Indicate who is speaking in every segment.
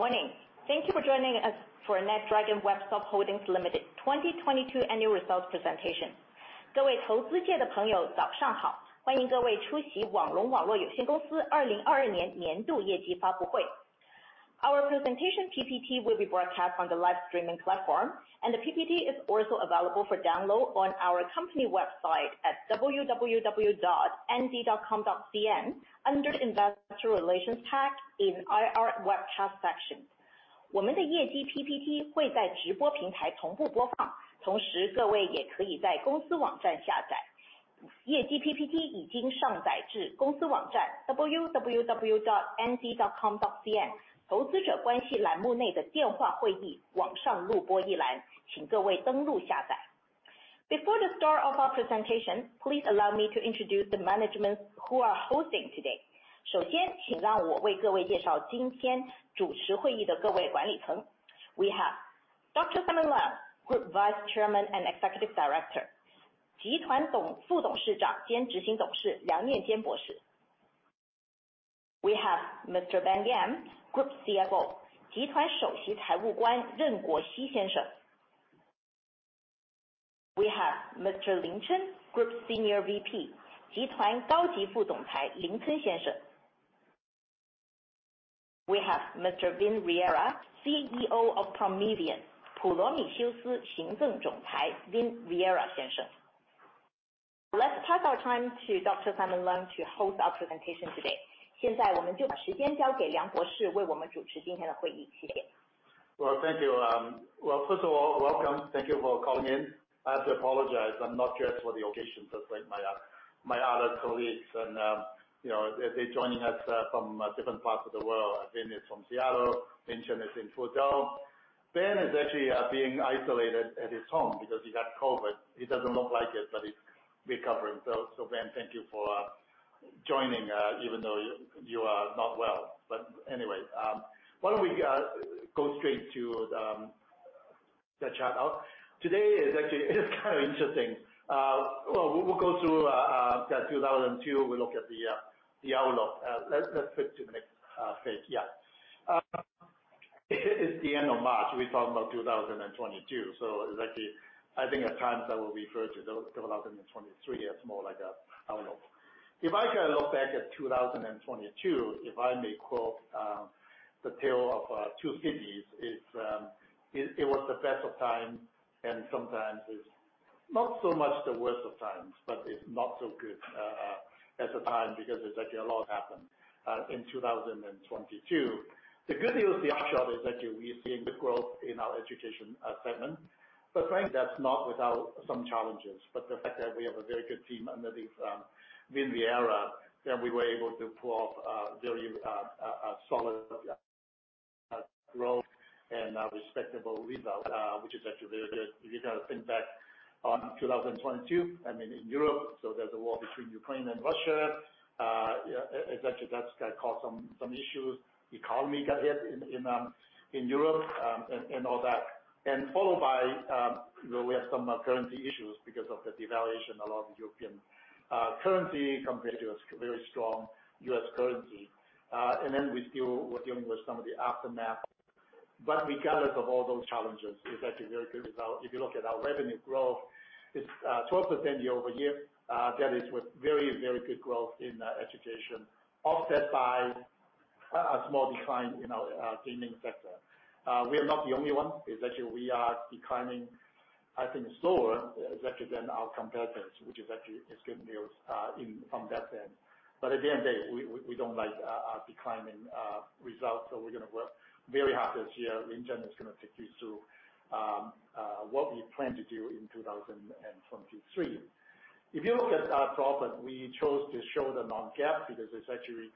Speaker 1: Good morning. Thank you for joining us for NetDragon Websoft Holdings Limited 2022 annual results presentation. Our presentation PPT will be broadcast on the live streaming platform, and the PPT is also available for download on our company website at www.nd.com.cn under the Investor Relations tab in IR Webcast section. Before the start of our presentation, please allow me to introduce the management who are hosting today. We have Dr. Simon Leung, Group Vice Chairman and Executive Director. We have Mr. Ben Yam, Group CFO. We have Mr. Lin Chen, Group Senior VP. We have Mr. Vin Riera, CEO of Promethean. Let's pass our time to Dr. Simon Leung to host our presentation today.
Speaker 2: Well, thank you. Well, first of all, welcome. Thank you for calling in. I have to apologize I'm not dressed for the occasion just like my other colleagues and, you know, they're joining us from different parts of the world. Vin is from Seattle, Lin Chen is in Fuzhou. Ben is actually being isolated at his home because he got COVID. He doesn't look like it, but he's recovering. Ben, thank you for joining even though you are not well. Anyway, why don't we go straight to the chart out? Today is actually kind of interesting. Well, we'll go through 2002. We'll look at the outlook. Let's flip to the next page. Yeah. It's the end of March. We're talking about 2022. Exactly, I think at times I will refer to 2023 as more like a, I don't know. If I can look back at 2022, if I may quote, the Tale of Two Cities, it's, it was the best of time and sometimes it's not so much the worst of times, but it's not so good at the time because there's actually a lot happened in 2022. The good news, the upshot is actually we're seeing good growth in our education segment. Frankly, that's not without some challenges. The fact that we have a very good team under Vin Riera, and we were able to pull off a very solid growth and a respectable result, which is actually very good. If you kind of think back on 2022, I mean, in Europe. There's a war between Ukraine and Russia. Actually that's gonna cause some issues. Economy got hit in Europe and all that. Followed by, you know, we have some currency issues because of the devaluation, a lot of European currency compared to a very strong U.S. currency. Then we still we're dealing with some of the aftermath. Regardless of all those challenges is actually very good result. If you look at our revenue growth, it's 12% year-over-year. That is with very, very good growth in education, offset by a small decline in our gaming sector. We are not the only one. It's actually we are declining, I think slower actually than our competitors, which is actually is good news in from that end. At the end of day, we don't like declining results. We're gonna work very hard this year. Lin Chen is gonna take you through what we plan to do in 2023. If you look at our profit, we chose to show the non-GAAP because it's actually,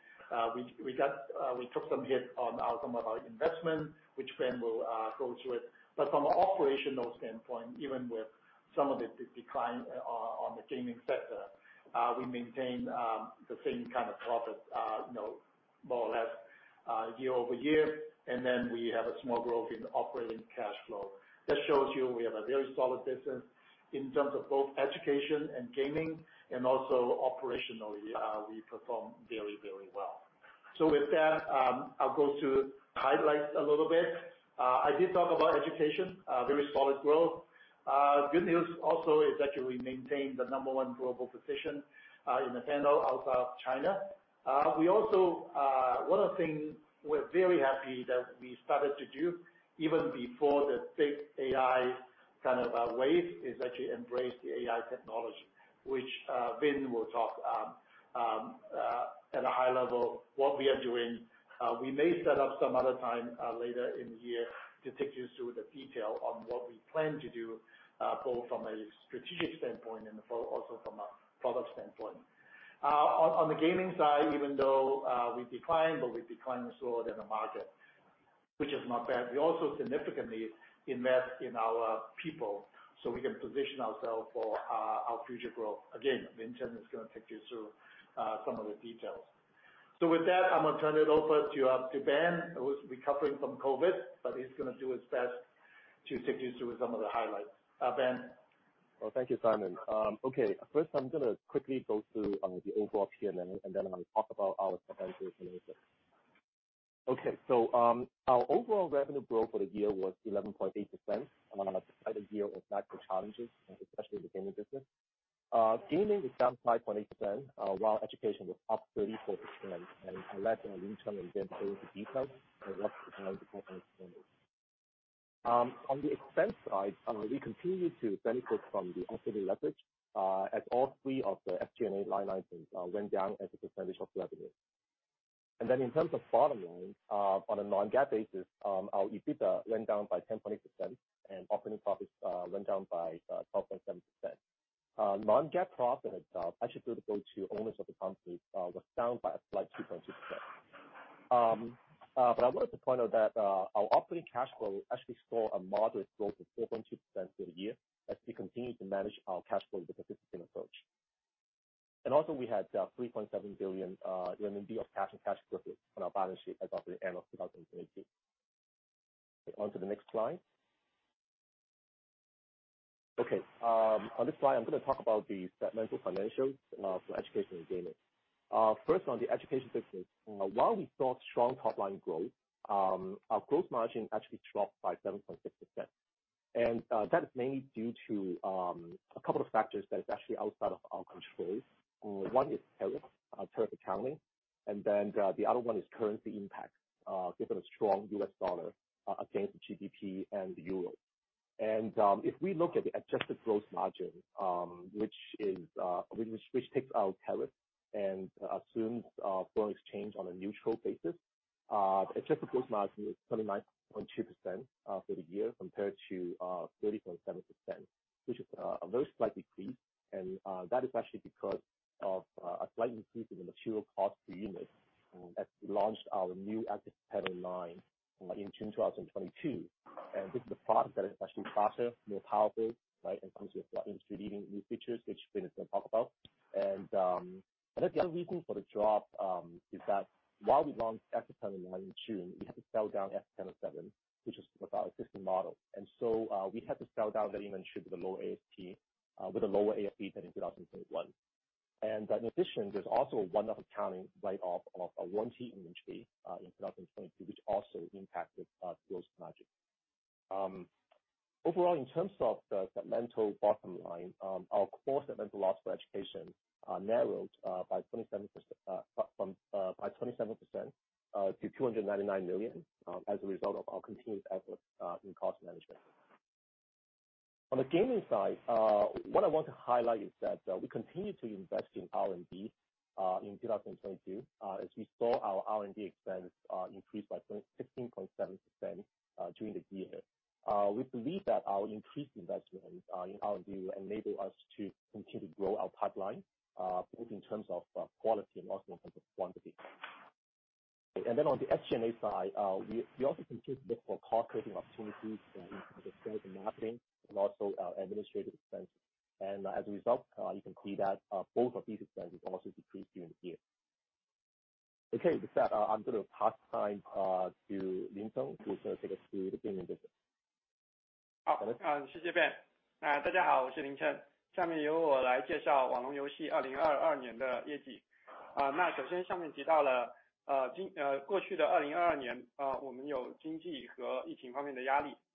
Speaker 2: we got, we took some hit on some of our investment, which Ben will go through it. From an operational standpoint, even with some of the decline on the gaming sector, we maintain the same kind of profit, you know, more or less, year-over-year. We have a small growth in operating cash flow. That shows you we have a very solid business in terms of both education and gaming and also operationally, we perform very, very well. With that, I'll go through highlights a little bit. I did talk about education, very solid growth. Good news also is that we maintain the number 1 global position in the panel outside of China. We also, one of the things we're very happy that we started to do even before the big AI kind of wave is actually embrace the AI technology, which Vin will talk at a high level, what we are doing. We may set up some other time later in the year to take you through the detail on what we plan to do, both from a strategic standpoint and also from a product standpoint. On the gaming side, even though we declined, but we declined slower than the market, which is not bad. We also significantly invest in our people, so we can position ourself for our future growth. Lin Chen is gonna take you through some of the details. With that, I'm gonna turn it over to Ben, who's recovering from COVID, but he's gonna do his best to take you through some of the highlights. Ben?
Speaker 3: Well, thank you, Simon. Okay, first, I'm gonna quickly go through the overall PNL, and then I'm gonna talk about our segment information. Our overall revenue growth for the year was 11.8% among a year of macro challenges, especially in the gaming business. Gaming is down 5.8%, while education was up 34%. I'll let Lin Chen again go into detail on what's behind the performance changes. On the expense side, we continue to benefit from the operating leverage, as all three of the SG&A line items went down as a percentage of revenue. In terms of bottom line, on a non-GAAP basis, our EBITDA went down by 10.8%, and operating profits went down by 12.7%. Non-GAAP profit attributed to owners of the company was down by a slight 2.6%. I wanted to point out that our operating cash flow actually saw a moderate growth of 4.2% for the year as we continue to manage our cash flow with a disciplined approach. We had 3.7 billion RMB of cash and cash equivalents on our balance sheet as of the end of 2022. On to the next slide. Okay. On this slide, I'm gonna talk about the segmental financials for education and gaming. First on the education business. While we saw strong top-line growth, our gross margin actually dropped by 7.6%. That is mainly due to a couple of factors that is actually outside of our control. One is tariffs, tariff accounting, the other one is currency impact, given a strong US dollar against the GBP and the euro. If we look at the adjusted gross margin, which takes out tariffs and assumes foreign exchange on a neutral basis, the adjusted gross margin is 29.2% for the year compared to 30.7%, which is a very slight decrease. That is actually because of a slight increase in the material cost per unit as we launched our new ActivPanel line in June 2022. This is a product that is actually faster, more powerful, right, and comes with industry-leading new features, which Ben is going to talk about. The other reason for the drop is that while we launched ActivPen in June, we had to sell down ActivPanel 7, which is our existing model. We had to sell down that inventory with a lower ASP than in 2021. In addition, there's also a one-off accounting write-off of a warranty inventory in 2022, which also impacted gross margin. Overall, in terms of the segmental bottom line, our core segmental loss for education narrowed by 27% to 299 million, as a result of our continued efforts in cost management. On the gaming side, what I want to highlight is that we continue to invest in R&D in 2022, as we saw our R&D expense increase by 16.7% during the year. We believe that our increased investment in R&D will enable us to continue to grow our pipeline, both in terms of quality and also in terms of quantity. On the SG&A side, we also continued to look for cost-saving opportunities in terms of sales and marketing and also administrative expense. As a result, you can see that both of these expenses also decreased during the year. With that, I'm gonna pass time to Lin Chen, who's gonna take us through the gaming business.
Speaker 4: 啊，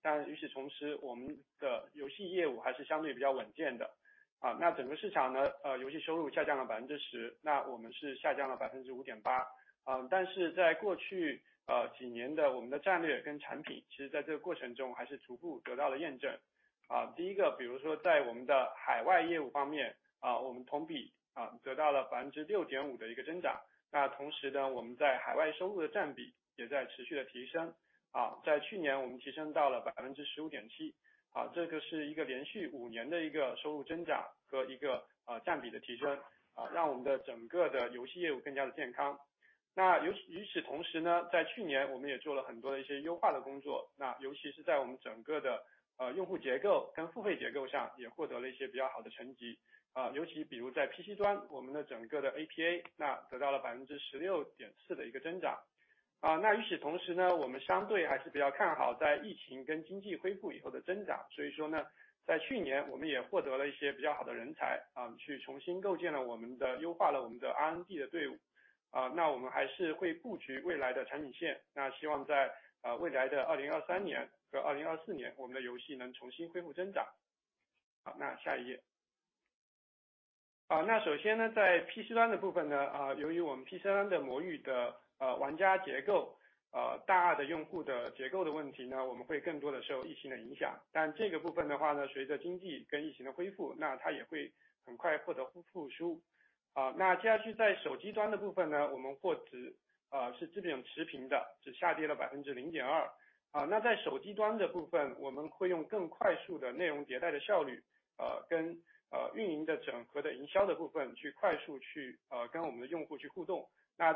Speaker 4: 那首先呢我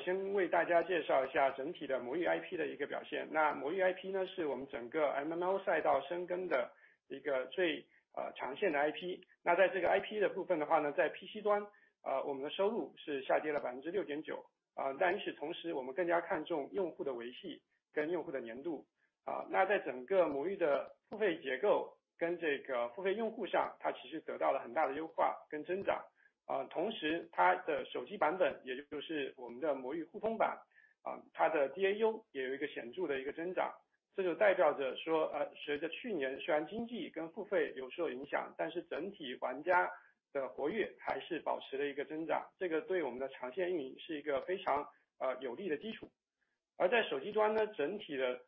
Speaker 4: 先为大家介绍一下整体的魔域 IP 的一个表现。那魔域 IP 呢， 是我们整个 MMO 赛道深耕的一个 最， 呃， 长线的 IP。那在这个 IP 的部分的话 呢， 在 PC 端， 呃， 我们的收入是下跌了百分之六点九。呃， 但与此同 时， 我们更加看重用户的维系跟用户的粘度。啊， 那在整个魔域的付费结构跟这个付费用户 上， 它其实得到了很大的优化跟增长。呃， 同时它的手机版 本， 也就是我们的魔域护封 版， 啊， 它的 DAU 也有一个显著的一个增长，这就代表着 说， 呃， 随着去年虽然经济跟付费有所影 响， 但是整体玩家的活跃还是保持了一个增 长， 这个对我们的长线运营是一个非 常， 呃， 有利的基础。而在手机端 呢， 整体 的，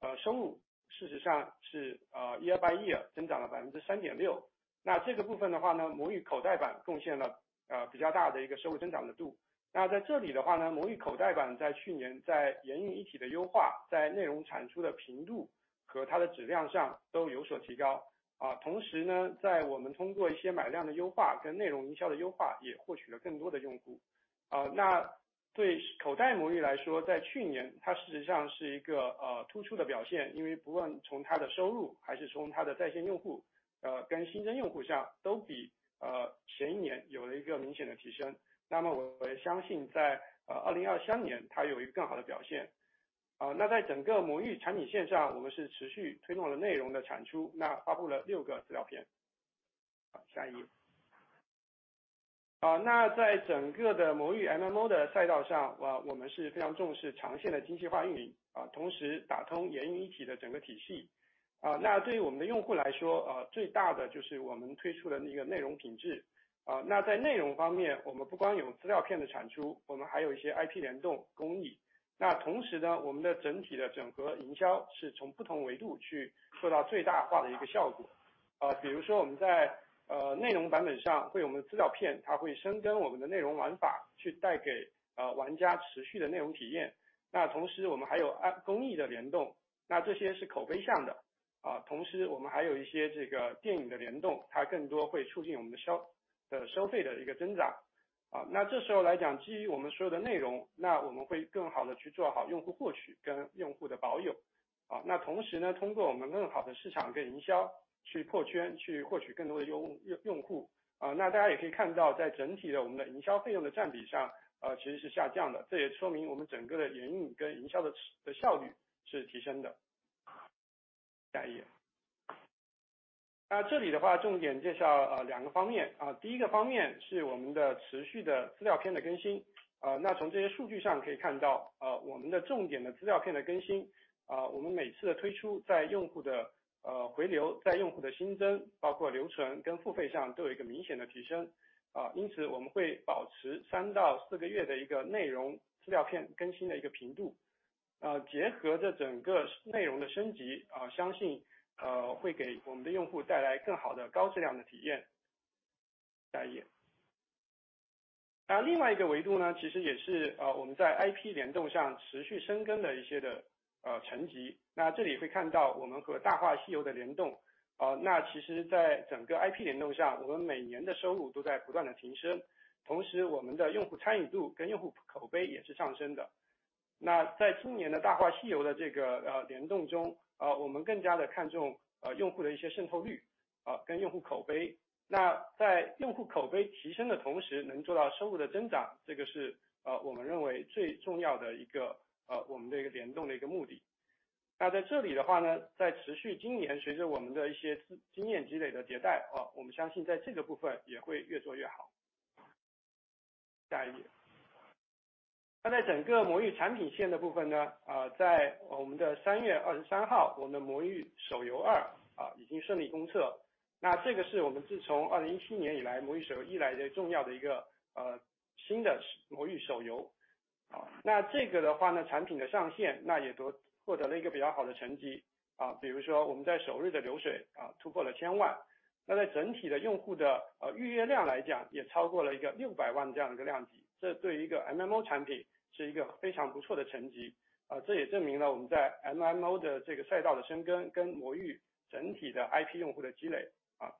Speaker 4: 呃， 收入事实上 是， 呃， year by year 增长了百分之三点六。那这个部分的话 呢， 魔域口袋版贡献 了， 呃， 比较大的一个收入增长的度。那在这里的话 呢， 魔域口袋版在去年在研运一体的优 化， 在内容产出的频度和它的质量上都有所提高。呃， 同时 呢， 在我们通过一些买量的优化跟内容营销的优 化， 也获取了更多的用户。呃， 那对口袋魔域来 说， 在去年它事实上是一 个， 呃， 突出的表 现， 因为不论从它的收入还是从它的在线用 户， 呃， 跟新增用户 上， 都 比， 呃， 前一年有了一个明显的提升。那么我也相信 在， 呃 ，2023 年它有一个更好的表现。呃， 那在整个魔域产品线 上， 我们是持续推动了内容的产 出， 那发布了六个资料片。下一。好， 那在整个的魔域 MMO 的赛道 上， 呃， 我们是非常重视长线的精细化运 营， 呃， 同时打通研运一体的整个体系。呃， 那对于我们的用户来 说， 呃， 最大的就是我们推出的那个内容品质。呃， 那在内容方 面， 我们不光有资料片的产 出， 我们还有一些 IP 联动、公益。那同时 呢， 我们的整体的整合营销是从不同维度去受到最大化的一个效果。呃， 比如说我们 在， 呃， 内容版本 上， 会我们的资料 片， 它会深耕我们的内容玩 法， 去带 给， 呃， 玩家持续的内容体验。那同时我们还有按公益的联 动， 那这些是口碑向的。呃， 同时我们还有一些这个电影的联 动， 它更多会促进我们的销-消费的一个增长。呃， 那这时候来 讲， 基于我们所有的内 容， 那我们会更好地去做好用户获取跟用户的保有。好， 那同时 呢， 通过我们更好的市场跟营销去破 圈， 去获取更多的用-用户。呃， 那大家也可以看 到， 在整体的我们的营销费用的占比 上， 呃， 其实是下降 的， 这也说明我们整个的研运跟营销 的， 的效率是提升的。下一页。那这里的话重点介 绍， 呃， 两个方 面， 呃， 第一个方面是我们的持续的资料片的更新。呃， 那从这些数据上可以看 到， 呃， 我们的重点的资料片的更 新， 呃， 我们每次的推 出， 在用户 的， 呃， 回 流， 在用户的新 增， 包括留存跟付费上都有一个明显的提升。呃， 因此我们会保持三到四个月的一个内容资料片更新的一个频 度， 呃， 结合着整个内容的升 级， 呃， 相 信， 呃， 会给我们的用户带来更好的高质量的体验。下一页。那另外一个维度 呢， 其实也 是， 呃， 我们在 IP 联动上持续深耕的一些 的， 呃， 成绩。那这里会看到我们和大话西游的联 动， 呃， 那其实在整个 IP 联动 上， 我们每年的收入都在不断地提 升， 同时我们的用户参与度跟用户口碑也是上升的。那在今年的大话西游的这 个， 呃， 联动中， 呃， 我们更加地看 重， 呃， 用户的一些渗透 率， 呃， 跟用户口碑。那在用户口碑提升的同时能做到收入的增 长， 这个 是， 呃， 我们认为最重要的一 个， 呃， 我们的一个联动的一个目的。那在这里的话 呢， 在持续今年随着我们的一些经-经验积累的迭 代， 呃， 我们相信在这个部分也会越做越好。下一页。那在整个魔域产品线的部分 呢， 呃， 在我们的三月二十三 号， 我们的魔域手游 二， 呃， 已经顺利公 测， 那这个是我们自从2017年以 来， 魔域手游一来就重要的一 个， 呃， 新的魔域手游。好， 那这个的话 呢， 产品的上 线， 那也得获得了一个比较好的成绩。呃， 比如说我们在首日的流 水， 呃， 突破了千 万， 那在整体的用户 的， 呃， 预约量来 讲， 也超过了一个六百万这样的一个量级，这对于一个 MMO 产品是一个非常不错的成绩。呃， 这也证明了我们在 MMO 的这个赛道的深 耕， 跟魔域整体的 IP 用户的积累。好，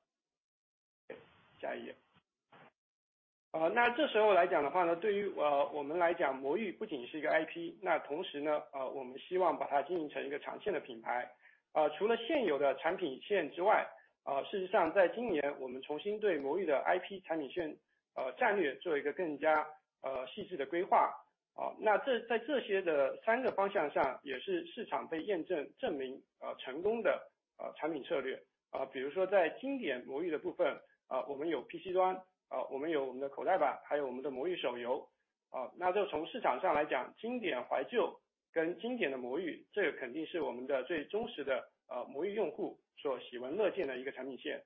Speaker 4: 下一页。呃， 那这时候来讲的话 呢， 对 于， 呃， 我们来 讲， 魔域不仅是一个 IP， 那同时 呢， 呃， 我们希望把它经营成一个长线的品牌。呃， 除了现有的产品线之 外， 呃， 事实上在今年我们重新对魔域的 IP 产品 线， 呃， 战略做一个更加， 呃， 细致的规划。好， 那这在这些的三个方向 上， 也是市场被验证证 明， 呃， 成功 的， 呃， 产品策略。呃， 比如说在经典魔域的部 分， 呃， 我们有 PC 端， 呃， 我们有我们的口袋 版， 还有我们的魔域手游。呃， 那就从市场上来 讲， 经典怀旧跟经典的魔 域， 这肯定是我们的最忠实 的， 呃， 魔域用户所喜闻乐见的一个产品线。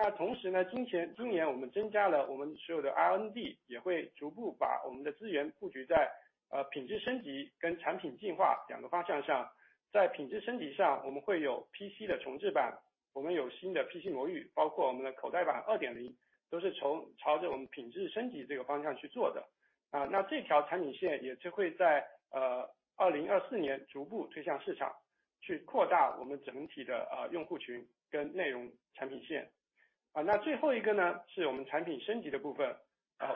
Speaker 4: 那同时 呢， 金前--今年我们增加了我们所有的 R&D， 也会逐步把我们的资源布局 在， 呃， 品质升级跟产品进化两个方向上。在品质升级 上， 我们会有 PC 的重制 版， 我们有新的 PC 魔 域， 包括我们的口袋版 2.0， 都是从朝着我们品质升级这个方向去做的。呃， 那这条产品线也就会 在， 呃 ，2024 年逐步推向市 场， 去扩大我们整体 的， 呃， 用户群跟内容产品线。那最后一个 呢， 是我们产品升级的部 分，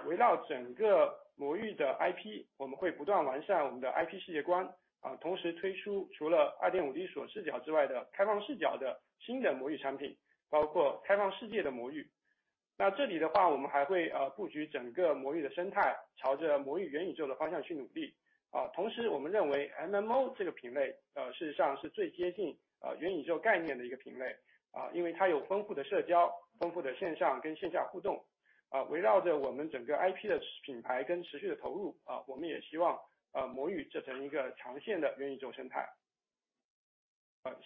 Speaker 4: 围绕整个魔域的 IP， 我们会不断完善我们的 IP 世界 观， 同时推出除了二点五 D 锁视角之外的开放视角的新的魔域产 品， 包括开放世界的魔域。那这里的 话， 我们还会 呃， 布局整个魔域的生 态， 朝着魔域元宇宙的方向去努力。同时我们认为 MMO 这个品类 呃， 事实上是最接近元宇宙概念的一个品 类， 因为它有丰富的社交，丰富的线上跟线下互动。围绕着我们整个 IP 的品牌跟持续的投 入， 我们也希望魔域建成一个长线的元宇宙生态。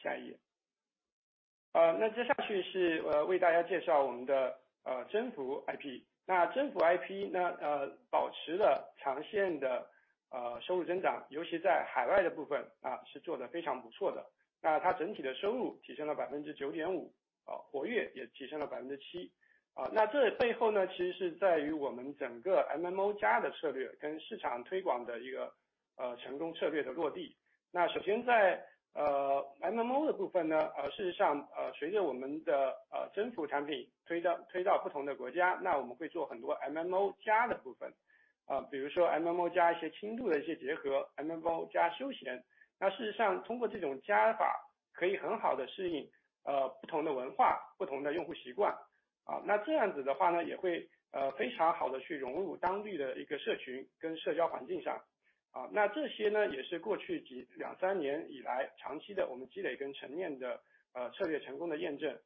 Speaker 4: 下一页。那接下去是为大家介绍我们的征服 IP。那征服 IP 呢， 保持了长线的收入增 长， 尤其在海外的部分是做得非常不错 的， 那它整体的收入提升了百分之九点 五， 活跃也提升了百分之七。那这背后 呢， 其实是在于我们整个 MMO 加的策略跟市场推广的一个成功策略的落地。那首先在呃 ，MMO 的部分 呢， 事实上随着我们的征服产品推 到， 推到不同的国 家， 那我们会做很多 MMO 加的部 分， 比如说 MMO 加一些轻度的一些结合 ，MMO 加休闲。那事实上通过这种加法可以很好地适应不同的文 化， 不同的用户习 惯， 那这样子的话 呢， 也会非常好地去融入当地的一个社群跟社交环境上。那这些 呢， 也是过去两三年以来长期的我们积累跟沉淀的策略成功的验证。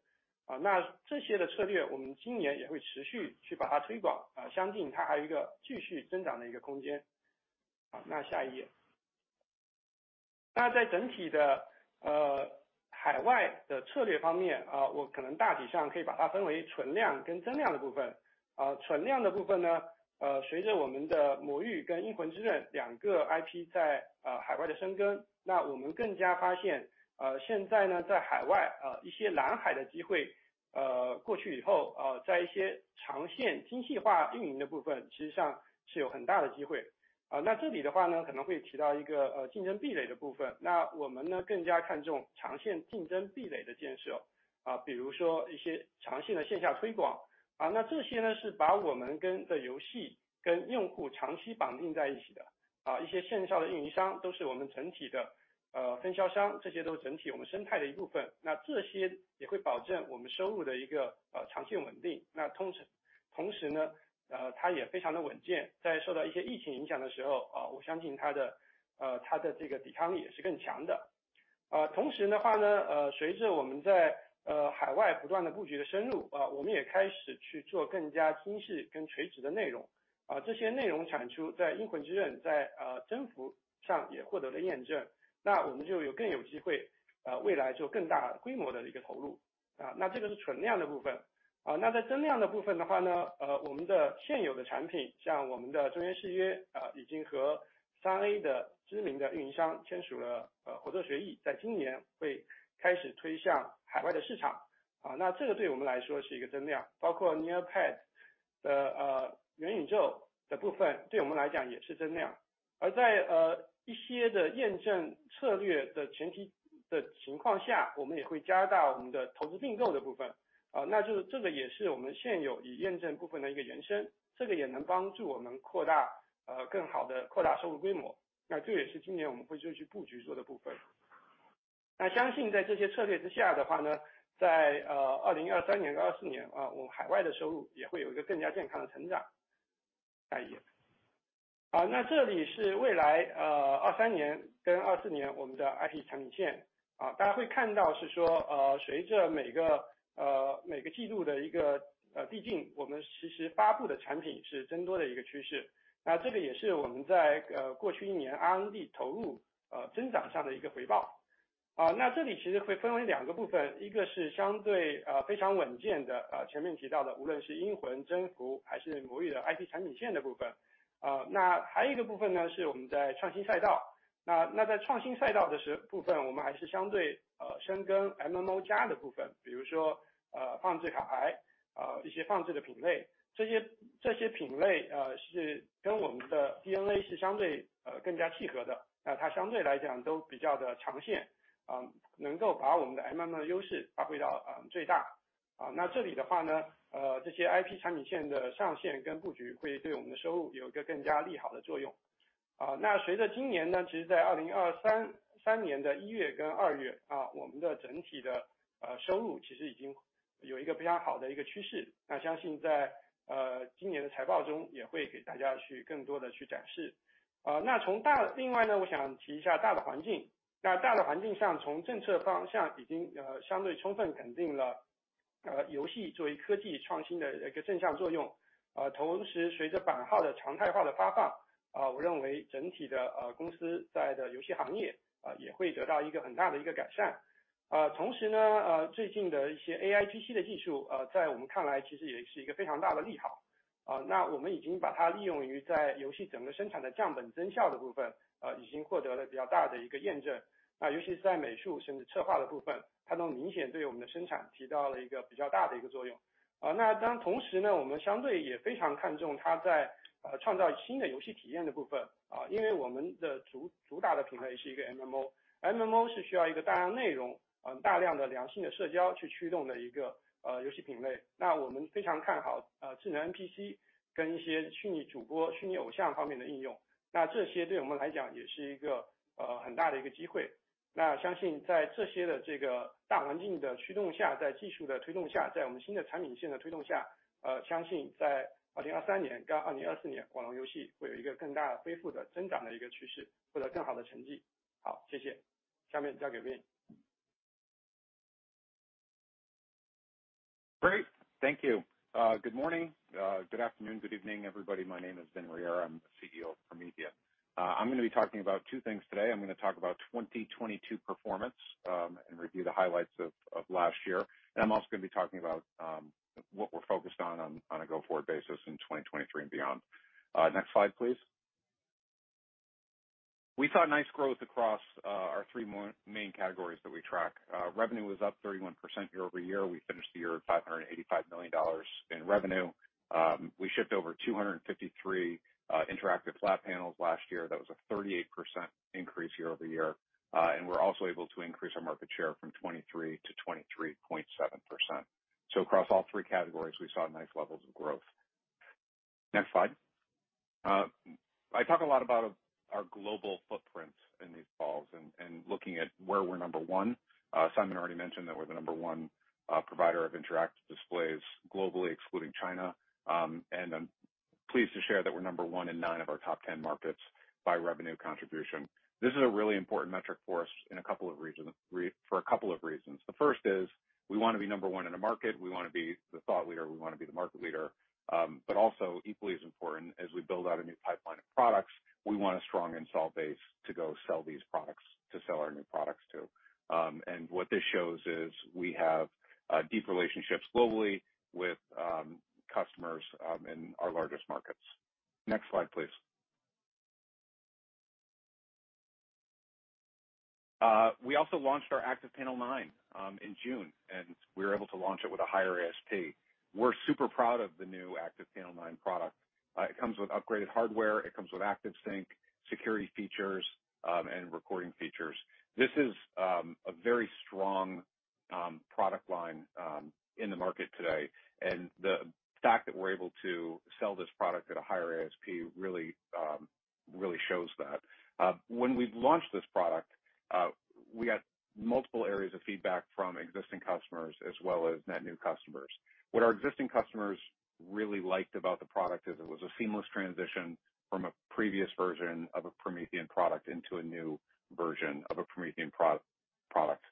Speaker 4: 那这些的策略我们今年也会持续去把它推 广， 相信它还有一个继续增长的一个空间。那下一页。那在整体的呃，海外的策略方 面， 我可能大体上可以把它分为存量跟增量的部分。存量的部分 呢， 随着我们的魔域跟英魂之刃两个 IP 在海外的深 耕， 那我们更加发 现， 现在在海外一些蓝海的机 会， 呃， 过去以 后， 在一些长线精细化运营的部 分， 其实上是有很大的机会。那这里的话 呢， 可能会提到一个竞争壁垒的部 分， 那我们 呢， 更加看重长线竞争壁垒的建 设， 比如说一些长线的线下推 广， 那这些是把我们跟游戏跟用户长期绑定在一起的。一些线下的运营商都是我们整体的 呃， 分销 商， 这些都是整体我们生态的一部 分， 那这些也会保证我们收入的一个长线稳 定， 那同 时， 同时呢，它也非常的稳 健， 在受到一些疫情影响的时 候， 我相信它 的， 呃， 它的这个抵抗力也是更强的。同时的话 呢， 随着我们在海外不断的布局的深 入， 我们也开始去做更加精细跟垂直的内 容， 这些内容产出在英魂之 刃， 在征服上也获得了验 证， 那我们就有更有机会未来做更大规模的一个投 入， 那这个是存量的部分。那在增量的部分的话 呢， 我们的现有的产 品， 像我们的终焉誓 约， 已经和 AAA 的知名的运营商签署了合作协 议， 在今年会开始推向海外的市 场， 那这个对我们来说是一个增 量， 包括 Nearpod 的元宇宙的部 分， 对我们来讲也是增量。而在一些的验证策略的前提的情况 下， 我们也会加大我们的投资并购的部 分， 那就是这个也是我们现有已验证部分的一个延 伸， 这个也能帮助我们扩 大， 更好地扩大收入规 模， 那这也是今年我们会继续布局做的部分。那相信在这些策略之下的话 呢， 在2023年到24 年， 我们海外的收入也会有一个更加健康的成长。下一页。好， 那这里是未来二三年跟二四年我们的 IP 产品 线， 大家会看到是 说， 随着每个， 呃， 每个季度的一个接 近， 我们其实发布的产品是增多的一个趋 势， 这个也是我们在过去一年 R&D 投入增长上的一个回报。那这里其实会分为两个部 分， 一个是相对非常稳健 的， 前面提到的无论是英魂、征服还是魔域的 IP 产品线的部 分， 那还有一个部分是我们在创新赛道， 那， 那在创新赛道的部 分， 我们还是相对深耕 MMO 加的部 分， 比如说放置卡 牌， 一些放置的品 类， 这 些， 这些品类是跟我们的 DNA 是相对更加契合 的， 那它相对来讲都比较的长 线， 能够把我们的 MMO 的优势发挥到最大。那这里的话 呢， 这些 IP 产品线的上线跟布局会对我们的收入有一个更加利好的作用。那随着今年 呢， 其实在2023年的1月跟2 月， 我们的整体的收入其实已经有一个非常好的一个趋 势， 那相信在今年的财报中也会给大家去更多的去展示。那从 大， 另外 呢， 我想提一下大的环 境， 那大的环境 上， 从政策方向已经相对充分肯定了游戏作为科技创新的一个正向作用。同时随着版号的常态化的发放，我认为整体的公司在的游戏行业也会得到一个很大的一个改善。同时 呢， 最近的一些 AIGC 的技术在我们看来其实也是一个非常大的利 好， 那我们已经把它应用于在游戏整个生产的降本增效的部 分， 已经获得了比较大的一个验 证， 尤其是在美术甚至策划的部 分， 它能明显对我们的生产提高了一个比较大的一个作用。Uh, that-- 同時 呢， 我们相对也非常看重它在， 呃， 创造新的游戏体验的部 分， 啊， 因为我们的 主， 主打的品类是一个 MMO。MMO 是需要一个大量内 容， 呃， 大量的良性的社交去驱动的一 个， 呃， 游戏品类。那我们非常看 好， 呃， 智能 NPC 跟一些虚拟主播、虚拟偶像方面的应 用， 那这些对我们来讲也是一 个， 呃， 很大的一个机会。那相信在这些的这个大环境的驱动 下， 在技术的推动 下， 在我们新的产品线的推动 下， 呃， 相信在二零二三年到二零二四 年， 网龙游戏会有一个更大恢复的增长的一个趋 势， 获得更好的成绩。好， 谢谢。下面交给 Vin。
Speaker 5: Great. Thank you. Good morning, good afternoon, good evening, everybody. My name is Vin Riera. I'm the CEO of Promethean. I'm gonna be talking about two things today. I'm gonna talk about 2022 performance and review the highlights of last year. I'm also gonna be talking about what we're focused on a go-forward basis in 2023 and beyond. Next slide, please. We saw nice growth across our three main categories that we track. Revenue was up 31% year-over-year. We finished the year at $585 million in revenue. We shipped over 253 interactive flat panels last year. That was a 38% increase year-over-year. We're also able to increase our market share from 23% to 23.7%. Across all 3 categories, we saw nice levels of growth. Next slide. I talk a lot about our global footprints in these calls and looking at where we're number 1. Simon already mentioned that we're the number 1 provider of interactive displays globally, excluding China. I'm pleased to share that we're number 1 in 9 of our top 10 markets by revenue contribution. This is a really important metric for us for 2 reasons. The first is we wanna be number 1 in a market. We wanna be the thought leader, we wanna be the market leader. Also equally as important, as we build out a new pipeline of products, we want a strong install base to go sell these products, to sell our new products to. What this shows is we have deep relationships globally with customers in our largest markets. Next slide, please. We also launched our ActivPanel 9 in June, and we were able to launch it with a higher ASP. We're super proud of the new ActivPanel 9 product. It comes with upgraded hardware. It comes with ActivSync security features and recording features. This is a very strong product line in the market today. The fact that we're able to sell this product at a higher ASP really really shows that. When we launched this product, we got multiple areas of feedback from existing customers as well as net new customers. What our existing customers really liked about the product is it was a seamless transition from a previous version of a Promethean product into a new version of a Promethean product,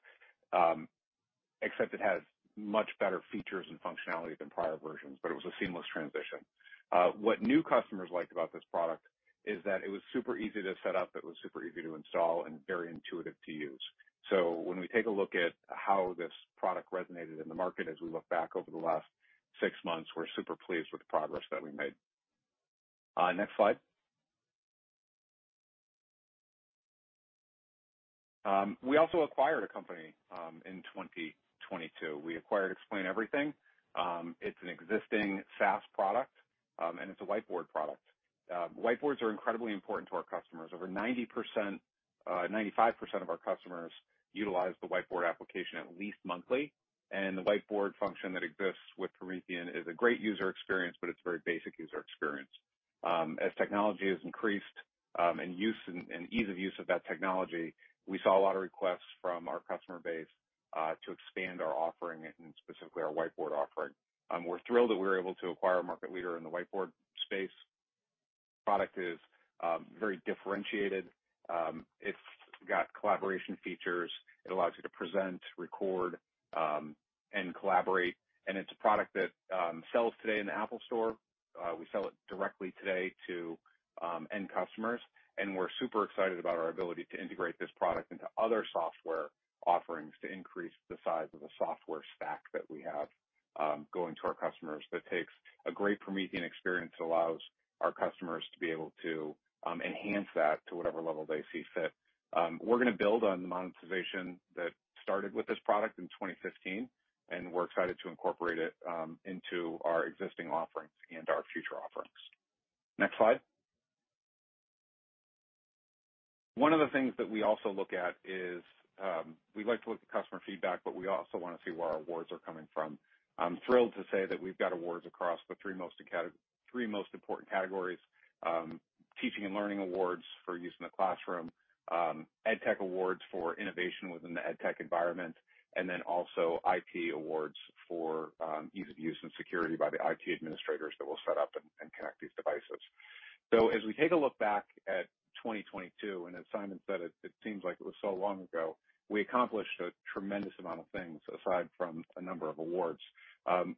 Speaker 5: except it has much better features and functionality than prior versions, but it was a seamless transition. What new customers liked about this product is that it was super easy to set up, it was super easy to install, and very intuitive to use. When we take a look at how this product resonated in the market, as we look back over the last six months, we're super pleased with the progress that we made. Next slide. We also acquired a company, in 2022. We acquired Explain Everything. It's an existing SaaS product, and it's a whiteboard product. Whiteboards are incredibly important to our customers. Over 90%, 95% of our customers utilize the whiteboard application at least monthly. The whiteboard function that exists with Promethean is a great user experience, but it's a very basic user experience. As technology has increased, in use and ease of use of that technology, we saw a lot of requests from our customer base to expand our offering and specifically our whiteboard offering. We're thrilled that we were able to acquire a market leader in the whiteboard space. Product is very differentiated. It's got collaboration features. It allows you to present, record, and collaborate. It's a product that sells today in the Apple Store. We sell it directly today to end customers, and we're super excited about our ability to integrate this product into other software offerings to increase the size of the software stack that we have going to our customers. That takes a great Promethean experience that allows our customers to be able to enhance that to whatever level they see fit. We're gonna build on the monetization that started with this product in 2015, and we're excited to incorporate it into our existing offerings and our future offerings. Next slide. One of the things that we also look at is, we like to look at customer feedback, but we also wanna see where our awards are coming from. I'm thrilled to say that we've got awards across the three most important categories, teaching and learning awards for use in the classroom, EdTech awards for innovation within the EdTech environment, and then also IT awards for ease of use and security by the IT administrators that will set up and connect these devices. As we take a look back at 2022, and as Simon said, it seems like it was so long ago, we accomplished a tremendous amount of things aside from a number of awards.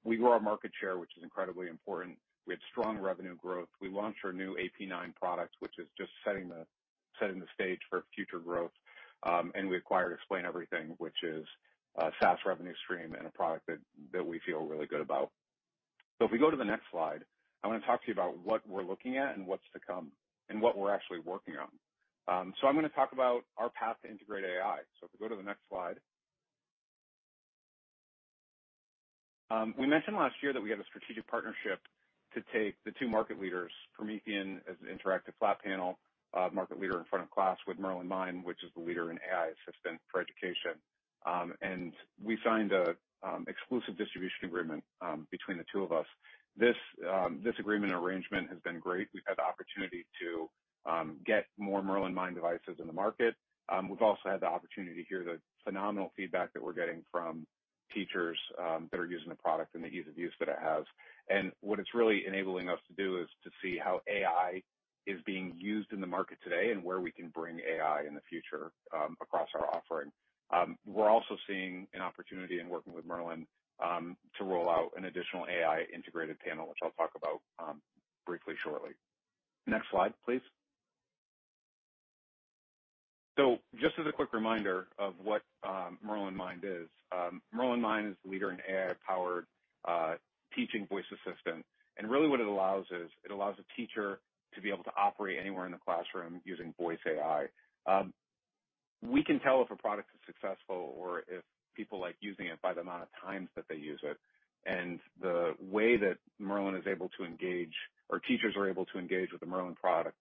Speaker 5: We grew our market share, which is incredibly important. We had strong revenue growth. We launched our new AP9 product, which is just setting the stage for future growth. We acquired Explain Everything, which is a SaaS revenue stream and a product that we feel really good about. If we go to the next slide, I wanna talk to you about what we're looking at and what's to come and what we're actually working on. I'm gonna talk about our path to integrate AI. If we go to the next slide. We mentioned last year that we had a strategic partnership to take the two market leaders, Promethean as an interactive flat panel market leader in front of class with Merlyn Mind, which is the leader in AI assistant for education. We signed a exclusive distribution agreement between the two of us. This agreement arrangement has been great. We've had the opportunity to get more Merlyn Mind devices in the market. We've also had the opportunity to hear the phenomenal feedback that we're getting from teachers that are using the product and the ease of use that it has. What it's really enabling us to do is to see how AI is being used in the market today and where we can bring AI in the future across our offering. We're also seeing an opportunity in working with Merlyn to roll out an additional AI integrated panel, which I'll talk about briefly shortly. Next slide, please. Just as a quick reminder of what Merlyn Mind is. Merlyn Mind is the leader in AI-powered teaching voice assistant, and really what it allows is, it allows a teacher to be able to operate anywhere in the classroom using voice AI. We can tell if a product is successful or if people like using it by the amount of times that they use it. The way that Merlin is able to engage or teachers are able to engage with the Merlin product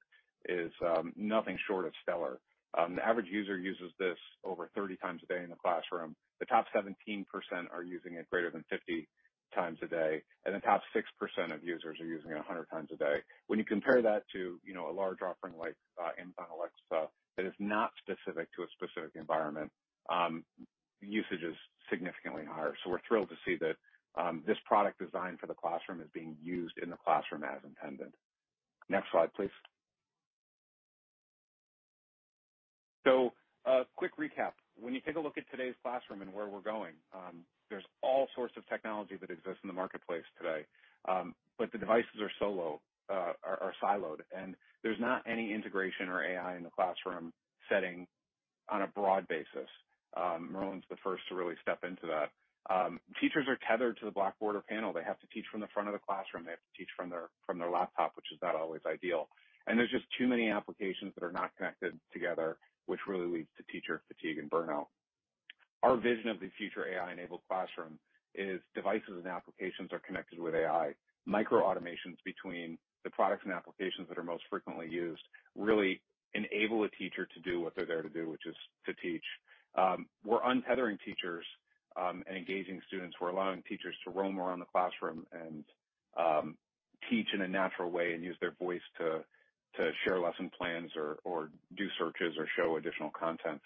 Speaker 5: is nothing short of stellar. The average user uses this over 30 times a day in the classroom. The top 17% are using it greater than 50 times a day, and the top 6% of users are using it 100 times a day. When you compare that to, you know, a large offering like Amazon Alexa, that is not specific to a specific environment, usage is significantly higher. We're thrilled to see that this product designed for the classroom is being used in the classroom as intended. Next slide, please. A quick recap. When you take a look at today's classroom and where we're going, there's all sorts of technology that exists in the marketplace today. But the devices are so low, are siloed, and there's not any integration or AI in the classroom setting on a broad basis. Merlyn's the first to really step into that. Teachers are tethered to the blackboard or panel. They have to teach from the front of the classroom. They have to teach from their laptop, which is not always ideal. There's just too many applications that are not connected together, which really leads to teacher fatigue and burnout. Our vision of the future AI-enabled classroom is devices and applications are connected with AI. Micro-automations between the products and applications that are most frequently used really enable a teacher to do what they're there to do, which is to teach. We're untethering teachers and engaging students. We're allowing teachers to roam around the classroom and teach in a natural way and use their voice to share lesson plans or do searches or show additional content.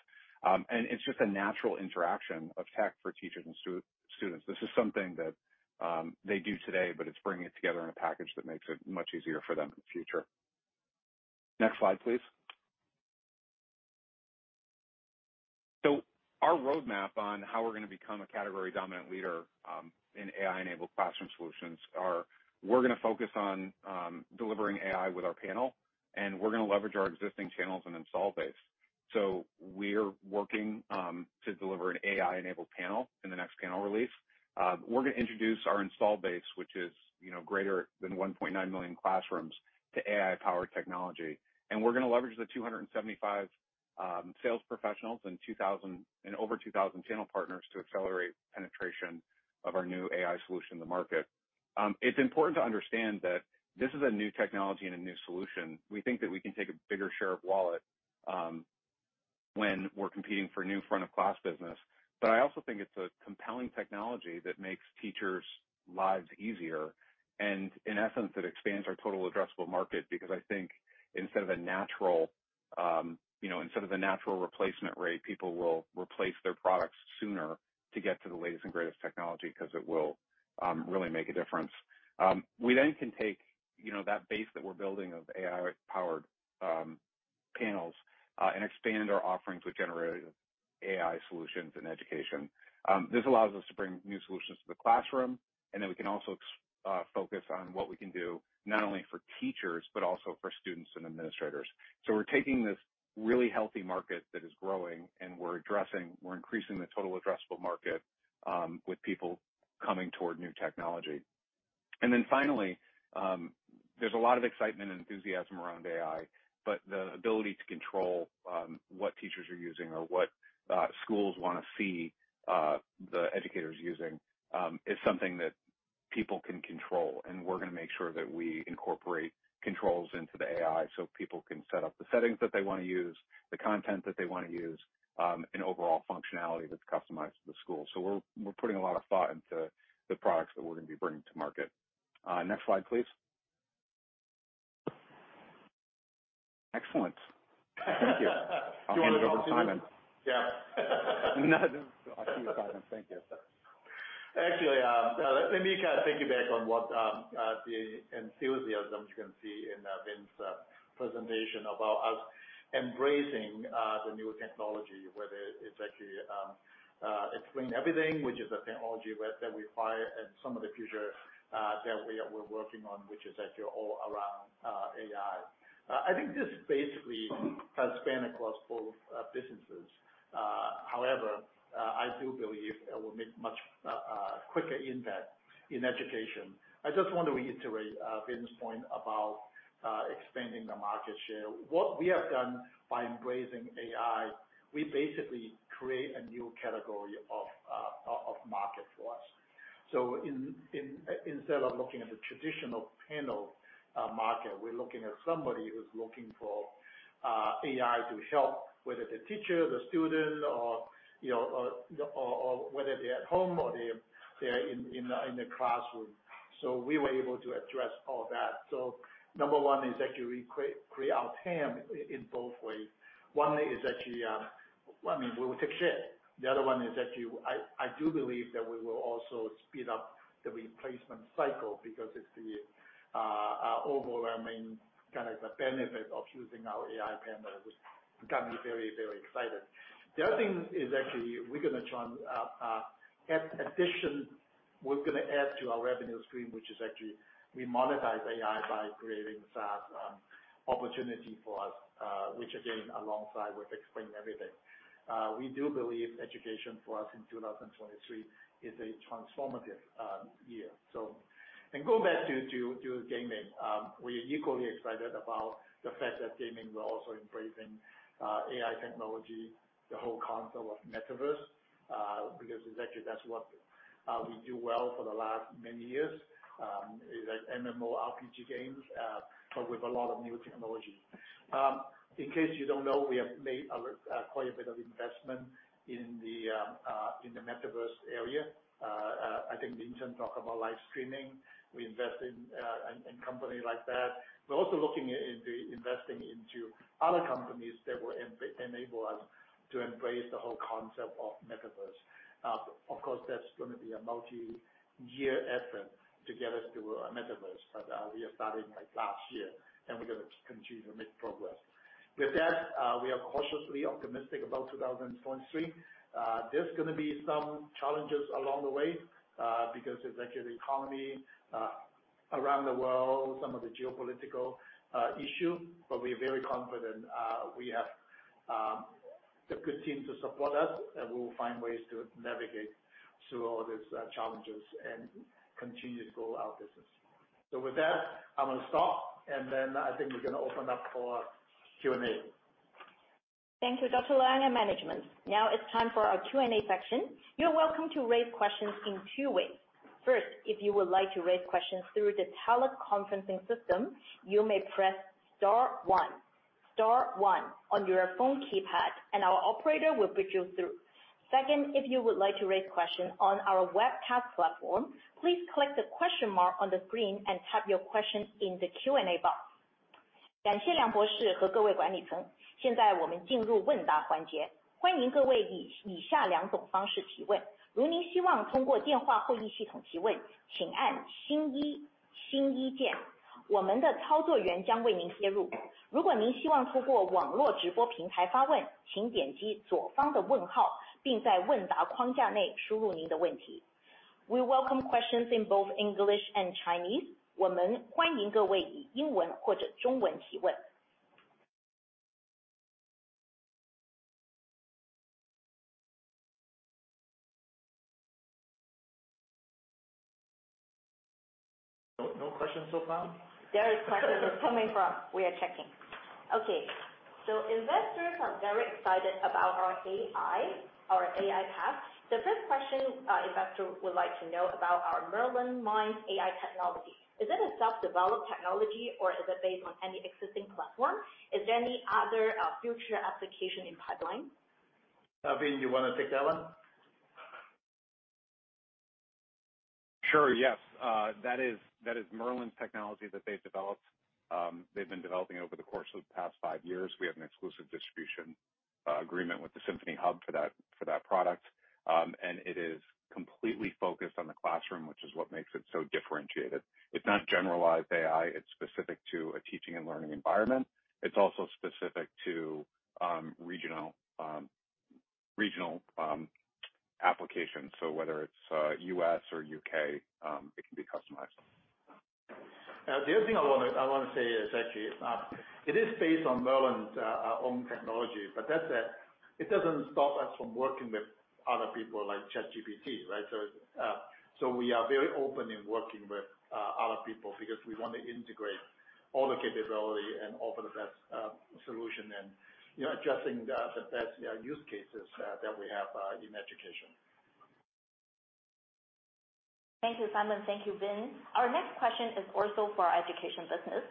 Speaker 5: It's just a natural interaction of tech for teachers and students. This is something that they do today, but it's bringing it together in a package that makes it much easier for them in the future. Next slide, please. Our roadmap on how we're gonna become a category-dominant leader in AI-enabled classroom solutions are, we're gonna focus on delivering AI with our panel, and we're gonna leverage our existing channels and install base. We're working to deliver an AI-enabled panel in the next panel release. We're gonna introduce our install base, which is, you know, greater than 1.9 million classrooms to AI power technology. We're gonna leverage the 275 sales professionals and over 2,000 channel partners to accelerate penetration of our new AI solution in the market. It's important to understand that this is a new technology and a new solution. We think that we can take a bigger share of wallet when we're competing for new front-of-class business. I also think it's a compelling technology that makes teachers' lives easier. In essence, it expands our total addressable market because I think instead of a natural, you know, instead of a natural replacement rate, people will replace their products sooner to get to the latest and greatest technology 'cause it will really make a difference. We can take, you know, that base that we're building of AI-powered panels and expand our offerings with generative AI solutions in education. This allows us to bring new solutions to the classroom, we can also focus on what we can do not only for teachers, but also for students and administrators. We're taking this really healthy market that is growing, we're increasing the total addressable market with people coming toward new technology. Finally, there's a lot of excitement and enthusiasm around AI, but the ability to control what teachers are using or what schools wanna see the educators using is something that people can control. We're gonna make sure that we incorporate controls into the AI so people can set up the settings that they wanna use, the content that they wanna use and overall functionality that's customized to the school. We're putting a lot of thought into the products that we're gonna be bringing to market. Next slide, please. Excellent. Thank you. I'll hand it over to Simon.
Speaker 2: Yeah.
Speaker 5: No, no. I see you, Simon. Thank you.
Speaker 2: Actually, let me kinda piggyback on what the enthusiasm you can see in Vin presentation about us embracing the new technology, whether it's actually Explain Everything, which is a technology that we acquire and some of the future that we're working on, which is actually all around AI. I think this basically has span across both businesses. However, I do believe it will make much quicker impact in education. I just want to reiterate Vin's point about expanding the market share. What we have done by embracing AI, we basically create a new category of market for us. Instead of looking at the traditional panel market, we're looking at somebody who's looking for AI to help, whether it's a teacher, the student or, you know, whether they're at home or they're in the classroom. We were able to address all that. Number 1 is actually we create our TAM in both ways. One is actually, I mean, we will take share. The other one is actually I do believe that we will also speed up the replacement cycle because it's the overwhelming kind of the benefit of choosing our AI pen that got me very excited. The other thing is actually we're gonna try and add addition. We're gonna add to our revenue stream, which is actually we monetize AI by creating SaaS opportunity for us, which again, alongside with Explain Everything. We do believe education for us in 2023 is a transformative year. Go back to gaming. We are equally excited about the fact that gaming we're also embracing AI technology, the whole concept of Metaverse, because actually that's what we do well for the last many years, is like MMORPG games, but with a lot of new technology. In case you don't know, we have made a quite a bit of investment in the Metaverse area. I think Vincent talk about live streaming. We invest in company like that. We're also looking into investing into other companies that will enable us to embrace the whole concept of Metaverse. Of course, that's gonna be a multi-year effort to get us to a Metaverse, we are starting like last year, and we're gonna continue to make progress. With that, we are cautiously optimistic about 2023. There's gonna be some challenges along the way, because it's actually economy around the world, some of the geopolitical issue. We are very confident, we have the good team to support us, and we will find ways to navigate through all these challenges and continue to grow our business. With that, I'm gonna stop, I think we're gonna open up for Q&A.
Speaker 1: Thank you, Liang Nianjian and management. Now it's time for our Q&A section. You're welcome to raise questions in two ways. First, if you would like to raise questions through the teleconferencing system, you may press star one, star one on your phone keypad and our operator will put you through. Second, if you would like to raise question on our webcast platform, please click the question mark on the screen and type your question in the Q&A box. We welcome questions in both English and Chinese.
Speaker 2: No, no questions so far?
Speaker 1: There is questions. It's coming from... We are checking. Okay. Investors are very excited about our AI, our AI path. The first question, investor would like to know about our Merlyn Mind AI technology. Is it a self-developed technology or is it based on any existing platform? Is there any other future application in pipeline?
Speaker 2: Vin, you wanna take that one?
Speaker 5: Sure, yes. That is Merlyn's technology that they've developed. They've been developing over the course of the past 5 years. We have an exclusive distribution agreement with the Symphony Hub for that product. It is completely focused on the classroom, which is what makes it so differentiated. It's not generalized AI. It's specific to a teaching and learning environment. It's also specific to regional applications. Whether it's U.S. or U.K., it can be customized.
Speaker 2: The other thing I wanna say is actually, it is based on Merlyn's own technology. That said, it doesn't stop us from working with other people like ChatGPT, right? We are very open in working with other people because we want to integrate all the capability and offer the best solution and, you know, addressing the best use cases that we have in education.
Speaker 1: Thank you, Simon. Thank you, Vin. Our next question is also for our education business.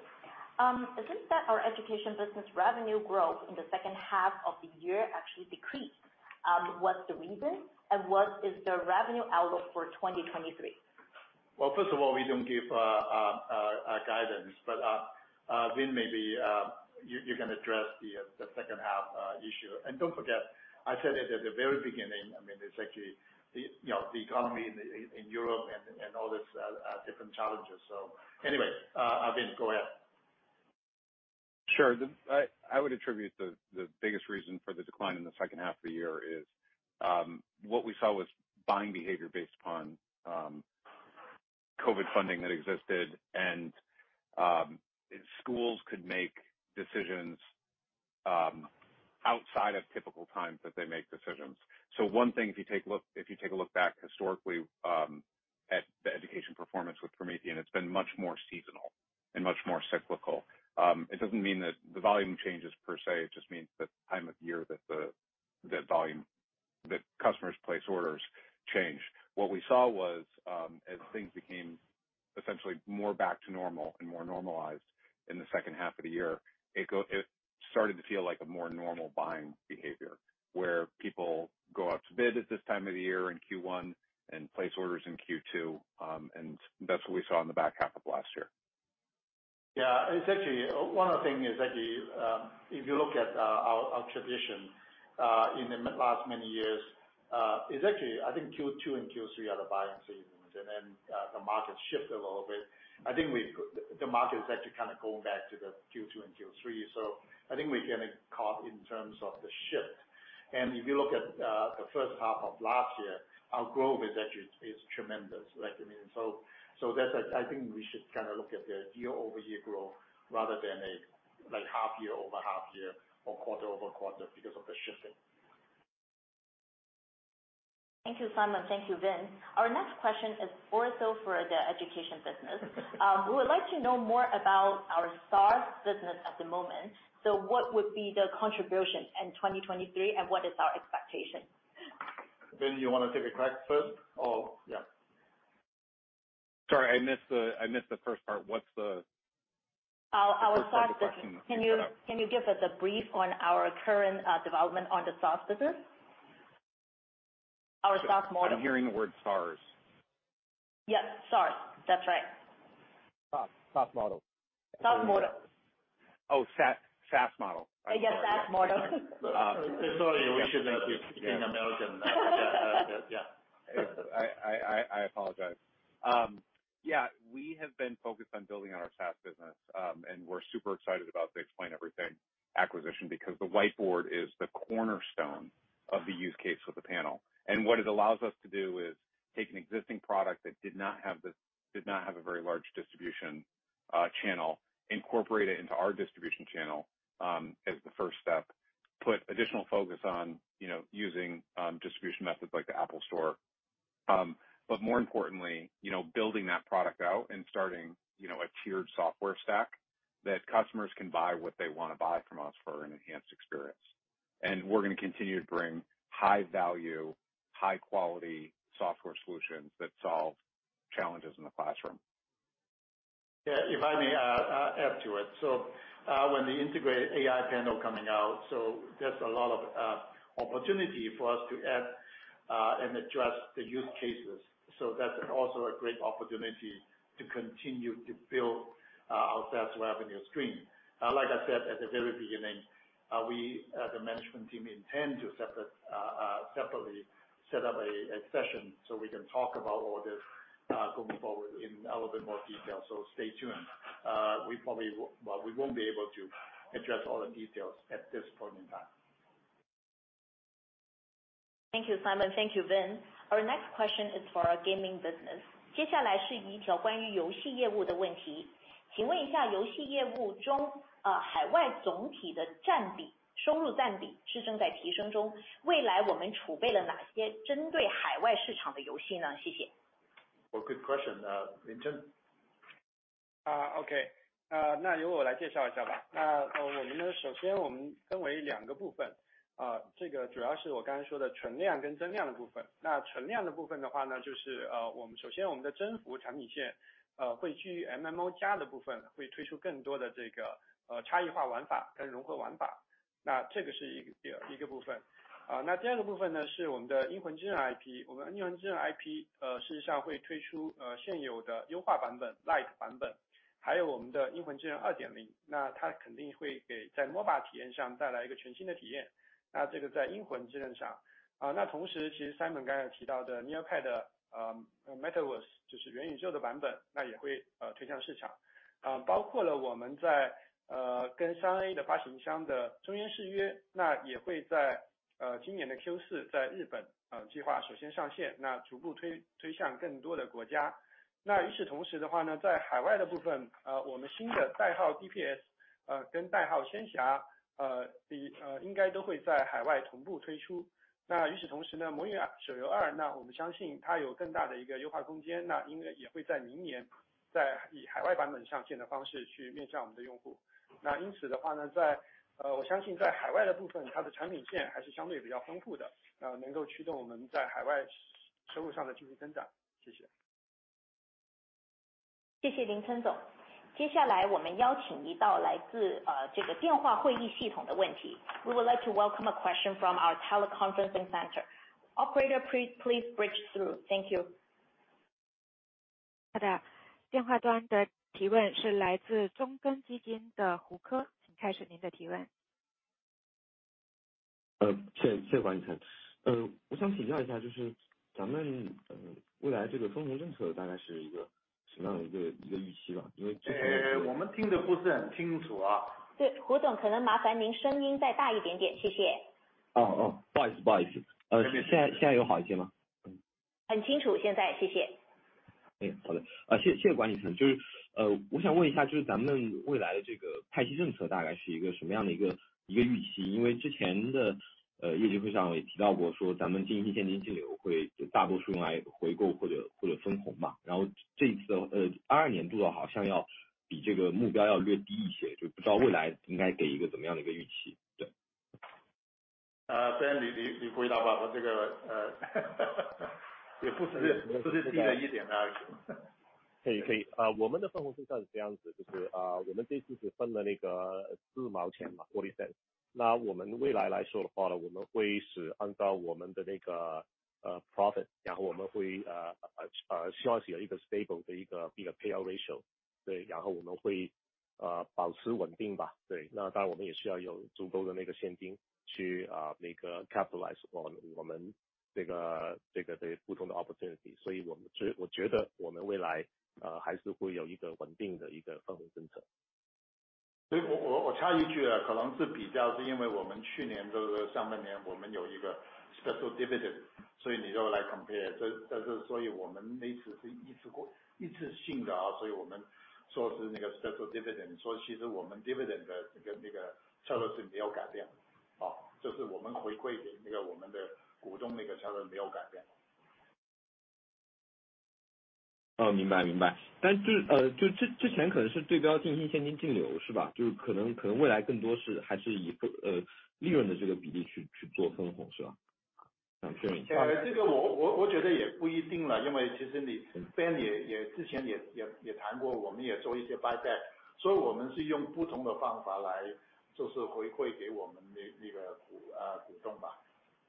Speaker 1: It seems that our education business revenue growth in the second half of the year actually decreased. What's the reason and what is the revenue outlook for 2023?
Speaker 2: Well, first of all, we don't give a guidance, but Vin, maybe you can address the second half issue. Don't forget, I said it at the very beginning. I mean, it's actually the, you know, the economy in Europe and all these different challenges. Anyway, Vin, go ahead.
Speaker 5: Sure. I would attribute the biggest reason for the decline in the second half of the year is, what we saw was buying behavior based upon COVID funding that existed and schools could make decisions outside of typical times that they make decisions. One thing, if you take a look back historically, at the education performance with Promethean, it's been much more seasonal and much more cyclical. It doesn't mean that the volume changes per se. It just means the time of year that the volume that customers place orders change. What we saw was, as things became essentially more back to normal and more normalized in the second half of the year, it started to feel like a more normal buying behavior where people go out to bid at this time of the year in Q1 and place orders in Q2. That's what we saw in the back half of last year.
Speaker 2: Yeah. It's actually, one of the thing is actually, if you look at our tradition in the last many years, is actually I think Q2 and Q3 are the buying seasons. The market shifted a little bit. I think the market is actually kind of going back to the Q2 and Q3. I think we're getting caught in terms of the shift. If you look at the first half of last year, our growth is actually, is tremendous, like I mean. That's like I think we should kind of look at the year-over-year growth rather than a like half-year-over-half-year or quarter-over-quarter because of the shifting.
Speaker 1: Thank you, Simon. Thank you, Vin. Our next question is also for the education business. We would like to know more about our SaaS business at the moment. What would be the contribution in 2023, and what is our expectation?
Speaker 2: Vin, you wanna take a crack first? Or yeah.
Speaker 5: Sorry, I missed the first part.
Speaker 1: Our SaaS business.
Speaker 5: The first part of the question that you set up.
Speaker 1: Can you give us a brief on our current development on the SaaS business? Our SaaS model.
Speaker 5: I'm hearing the word SaaS.
Speaker 1: Yeah. SaaS. That's right.
Speaker 2: SaaS model.
Speaker 1: SaaS model.
Speaker 5: Oh, SaaS model.
Speaker 1: Yeah, SaaS model.
Speaker 2: Sorry, we should know it's speaking American. Yeah.
Speaker 5: I apologize. Yeah, we have been focused on building on our SaaS business, and we're super excited about the Explain Everything acquisition because the whiteboard is the cornerstone of the use case with the panel. What it allows us to do is take an existing product that did not have a very large distribution channel, incorporate it into our distribution channel as the first step. Put additional focus on, you know, using distribution methods like the Apple Store. More importantly, you know, building that product out and starting, you know, a tiered software stack that customers can buy what they wanna buy from us for an enhanced experience. We're gonna continue to bring high value, high quality software solutions that solve challenges in the classroom.
Speaker 2: Yeah, if I may add to it. When the integrated AI panel coming out, there's a lot of opportunity for us to add and address the use cases. That's also a great opportunity to continue to build our SaaS revenue stream. Like I said at the very beginning, we as a management team intend to separate, separately set up a session so we can talk about all this going forward in a little bit more detail. Stay tuned. We probably won't be able to address all the details at this point in time.
Speaker 1: Thank you, Simon. Thank you, Vin. Our next question is for our gaming business.
Speaker 5: Well, good question. Lin Chen.
Speaker 4: Okay.
Speaker 2: We're listening. It wasn't clear.
Speaker 1: Yes. Mr. Hu, could you please speak up a little bit? Thank you. We would like to welcome a question from our teleconferencing center. Operator, please bridge through. Thank you.
Speaker 6: 不好意 思， 不好意 思， 现 在， 现在有好一些 吗？
Speaker 1: 很清楚现在。谢谢。
Speaker 6: 哎 呀， 好 的， 啊， 谢 谢， 谢谢关女士。就 是， 呃， 我想问一 下， 就是咱们未来的这个派息政策大概是一个什么样 的， 一 个， 一个预期。因为之前 的， 呃， 业绩会上也提到 过， 说咱们经营性现金流会大多数用来回购或 者， 或者分红吧。然后这一 次， 呃， 二二年度的好像要比这个目标要略低一 些， 就不知道未来应该给一个怎么样的一个预 期， 对。
Speaker 2: Ben, 你回答 吧, 我这个也不只是低了一点而 已.
Speaker 7: 可以可以。我们的分红政策是这样 子， 就 是， 我们这次是分了那个 RMB 0.4。我们未来来说的话 呢， 我们会是按照我们的那个 profit， 然后我们会希望是有一个 stable 的一个 pay out ratio， 对， 然后我们会保持稳定吧。对， 当然我们也需要有足够的那个现金去 capitalize 我们这个的不同的 opportunity， 我 们， 我觉得我们未来还是会有一个稳定的一个分红政策。
Speaker 2: 我插一句啊。可能是比 较， 因为我们去年的是上半 年， 我们有一个 special dividend， 你就来 compare。我们那次是一次 过， 一次性的啊。我们说是那个 special dividend， 其实我们 dividend 的这 个， 那个策略是没有改变。就是我们回馈给那个我们的股东那个策略没有改变。
Speaker 6: 哦， 明 白， 明白。但 就， 呃， 就 之， 之前可能是对标净薪现金净流是 吧？ 就是可 能， 可能未来更多是还是 以， 呃， 利润的这个比例 去， 去做分红是 吧？
Speaker 2: 这个我觉得也不一定 了， 因为其实 你， Ben 也之前也谈 过， 我们也做一些 buyback， 所以我们是用不同的方法 来， 就是回馈给我们的那个股东 吧，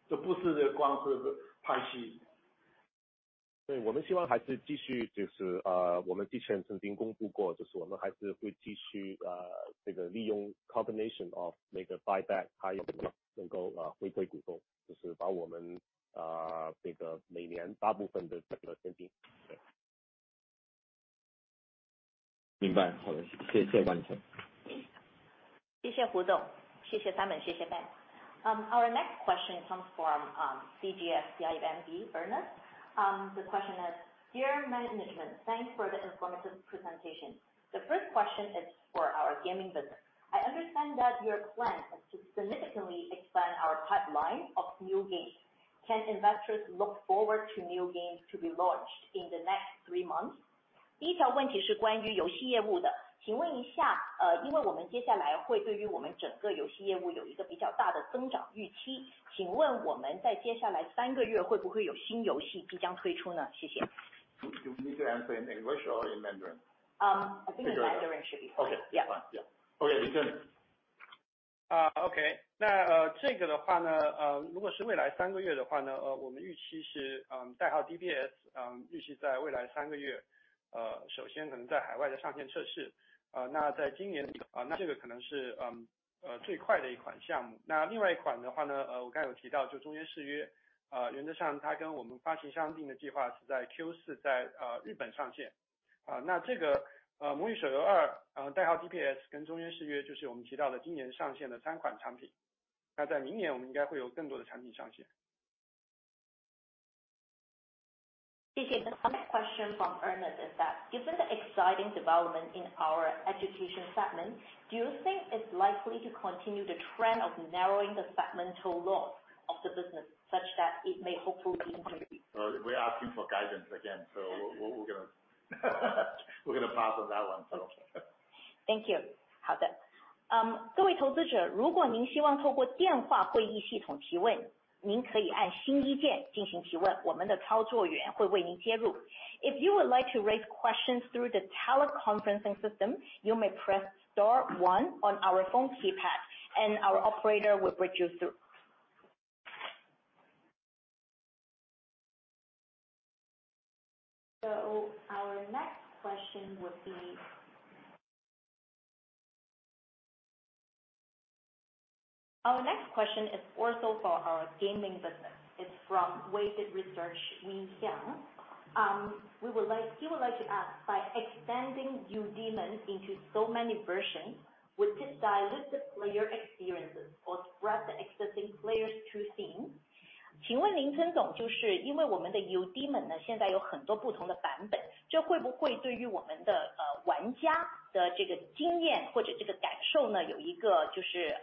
Speaker 2: 就不是光是派息。
Speaker 7: 我们希望还是继 续， 就 是， 我们之前曾经公布 过， 就是我们还是会继 续， 这个利用 combination of 那个 buyback， 还有能够回馈股 东， 就是把我 们， 这个每年大部分的整个现金。
Speaker 6: 明白。好 的， 谢 谢， 谢谢关女士。
Speaker 1: 谢谢胡总。谢谢 Simon， 谢谢 Ben。Our next question comes from CGS-CIMB. The question is dear management, thanks for the informative presentation. The first question is for our gaming business. I understand that your plan is to significantly expand our pipeline of new games. Can investors look forward to new games to be launched in the next three months? 第一条问题是关于游戏业务 的， 请问一 下， 因为我们接下来会对于我们整个游戏业务有一个比较大的增长预 期， 请问我们在接下来三个月会不会有新游戏即将推出 呢？ 谢谢。
Speaker 2: You need to answer in English or in Mandarin?
Speaker 1: I think Mandarin should be fine.
Speaker 2: Okay, fine. Okay, 李 尊.
Speaker 4: 啊 ，OK， 那这个的话 呢， 呃， 如果是未来三个月的话 呢， 呃， 我们预期 是， 嗯， 代号 DPS， 嗯， 预期在未来三个 月， 呃， 首先可能在海外的上线测试， 呃， 那在今 年， 啊， 这个可能 是， 嗯， 呃， 最快的一款项目。那另外一款的话 呢， 呃， 我刚才有提到就中原誓 约， 呃， 原则上它跟我们发行商定的计划是在 Q4 在， 呃， 日本上 线， 啊， 那这 个， 呃， 魔域手游 2， 代号 DPS 跟中原誓约就是我们提到的今年上线的三款产 品， 那在明年我们应该会有更多的产品上线。
Speaker 1: 谢 谢. The next question from Ernest is that even the exciting development in our education segment, do you think it's likely to continue the trend of narrowing the segmental loss of the business such that it may hopefully increase?
Speaker 2: We are asking for guidance again. We're going to pass on that one.
Speaker 1: Thank you. 好 的，各位投资者，如果您希望通过电话会议系统提问，您可以按星一键进行提问，我们的操作员会为您接入。If you would like to raise questions through the teleconferencing system, you may press star one on our phone keypad and our operator will bridge you through. Our next question is also for our gaming business. It's from Waited Research, Wei Xiong. He would like to ask by extending Eudemons into so many versions with this dilutive player experiences or spread the existing players to scene. 请问林晨 总, 就是因为我们的 Eudemons 呢现在有很多不同的版 本, 这会不会对于我们的玩家的这个经验或者这个感受 呢, 有一个就是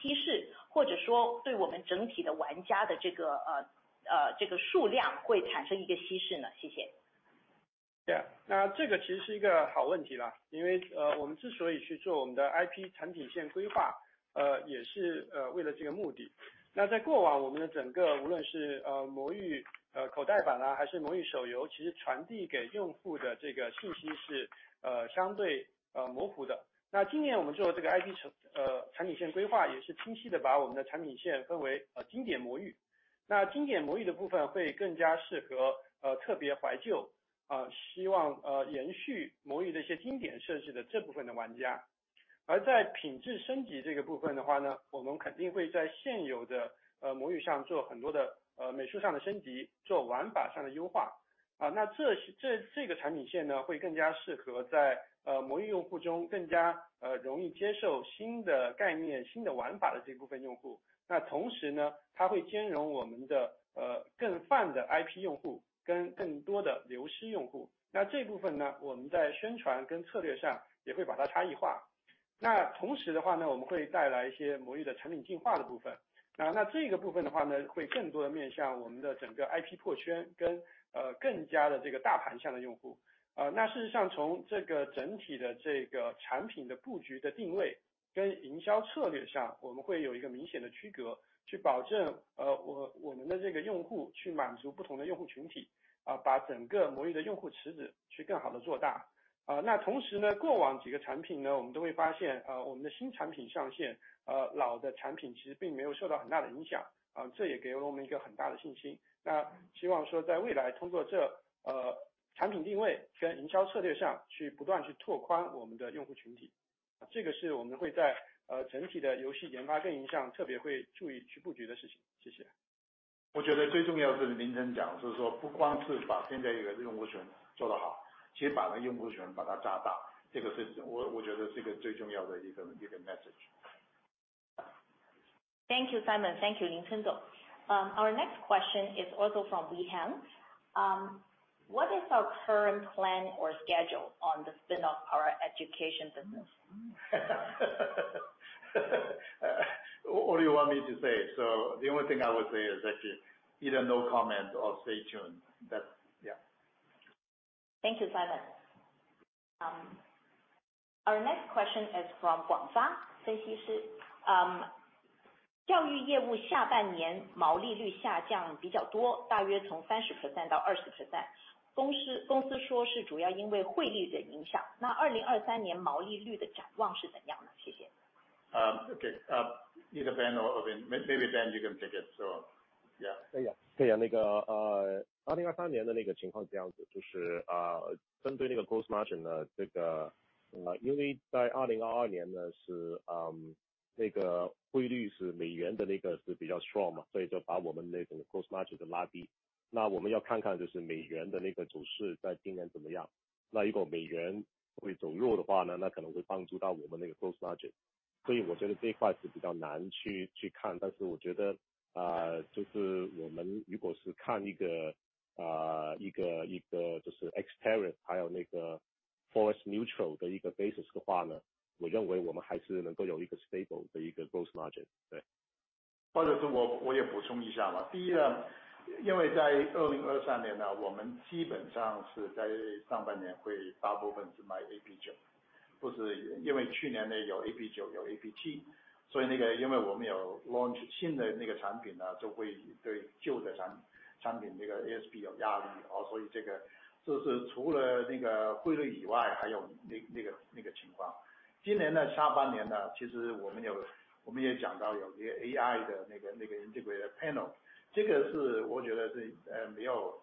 Speaker 1: 稀 释, 或者说对我们整体的玩家的这个数量会产生一个稀释 呢? 谢谢.
Speaker 4: Yeah， 那这个其实是一个好问题 啦， 因 为， 呃， 我们之所以去做我们的 IP 产品线规 划， 呃， 也 是， 呃， 为了这个目的。那在过往我们的整个无论 是， 呃， 魔 域， 呃， 口袋版 啊， 还是魔域手 游， 其实传递给用户的这个信息 是， 呃， 相 对， 呃， 模糊的。那今年我们做这个 IP 成， 呃， 产品线规 划， 也是清晰地把我们的产品线分 为， 呃， 经典魔域。那经典魔域的部分会更加适 合， 呃， 特别怀 旧， 呃， 希 望， 呃， 延续魔域的一些经典设计的这部分的玩家。
Speaker 3: 在品质升级这个部分的话 呢, 我们肯定会在现有的 Eudemons 上做很多的美术上的升 级, 做玩法上的优 化. 这些这个产品线 呢, 会更加适合在 Eudemons 用户中更加容易接受新的概念、新的玩法的这部分用 户. 同时 呢, 它会兼容我们的更泛的 IP 用户跟更多的流失用 户. 这部分 呢, 我们在宣传跟策略上也会把它差异 化. 同时的话 呢, 我们会带来一些 Eudemons 的产品进化的部 分, 这个部分的话 呢, 会更多的面向我们的整个 IP 破圈跟更加的这个大盘上的用 户. 事实上从这个整体的这个产品的布局的定位跟营销策略 上, 我们会有一个明显的区 隔, 去保证我们的这个用户去满足不同的用户群 体, 把整个 Eudemons 的用户池子去更好地做 大. 同时 呢, 过往几个产品 呢, 我们都会发 现, 我们的新产品上 线, 老的产品其实并没有受到很大的影 响, 这也给了我们一个很大的信 心. 希望说在未来通过这产品定位跟营销策略上去不断去拓宽我们的用户群 体, 这个是我们会在整体的游戏研发跟营销上特别会注意去布局的事 情. 谢 谢.
Speaker 2: 我觉得最重要是 Lin Chen 讲， 就是说不光是把现在一个用户群做得好，其实把那用户群把它扎 大， 这个是我觉得这个最重要的一 个， 一个 message.
Speaker 1: Thank you Simon. Thank you Lin Chen 总. Our next question is also from Wei Xiong. What is our current plan or schedule on the spin off our education business?
Speaker 2: What do you want me to say? The only thing I would say is actually either no comment or stay tuned. That's yeah.
Speaker 1: Thank you Simon。Um，our next question is from 广发分析师。教育业务下半年毛利率下降比较 多， 大约从三十 percent 到二十 percent。公 司， 公司说是主要因为汇率的影 响， 那2023年毛利率的展望是怎样 呢？ 谢谢。
Speaker 2: Okay, either Ben or Owen, maybe Ben you can take it. Yeah.
Speaker 3: 可以啊，可以啊。那个 2023的那个情况是这样子。针对那个 gross margin，因为 在 2022，那个 汇率是美元的那个是比较 strong，所以 就把我们那个 gross margin 拉低。我们要看看就是美元的那个走势在今年怎么样。如果美元会走弱 的话，可能 会帮助到我们那个 gross margin。我 觉得这一块是比较难去看。但是我 觉得，我们 如果是看一个 exterior，还 有那个 FX neutral 的一个 basis 的话，我 认为我们还是能够有一个 stable 的一个 gross margin。对。
Speaker 2: 或者是 我，我 也补充一下吧。第一 呢，因 为在2023年 呢，我 们基本上是在上半年会大部分是卖 AP 9。不是因为去年呢有 AP 9，有 ActivPanel 7，所 以那个因为我们有 launch 新的那个产品 呢，就 会对旧的产品这个 ASP 有压力。这个就是除了那个汇率以 外，还 有那 个，那 个情况。今年呢下半年 呢，其 实我们 有，我 们也讲到有些 AI 的那 个，那 个 individual panel，这 个是我觉得是没有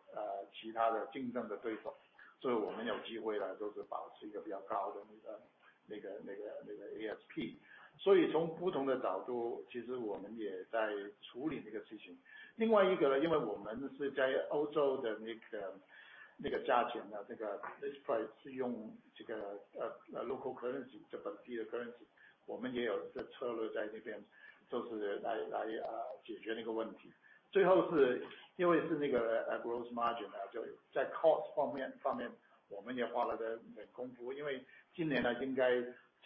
Speaker 2: 其他的竞争的对 手，所 以我们有机会来就是保持一个比较高的那 个，那 个，那 个，那 个 ASP。从 不同的角 度，其 实我们也在处理这个事情。另外一个 呢，因 为我们是在欧洲的那 个，那 个价钱 呢，这 个 this price 是用这个 local currency，就 本地的 currency。我 们也有这策略在那 边，就 是来解决那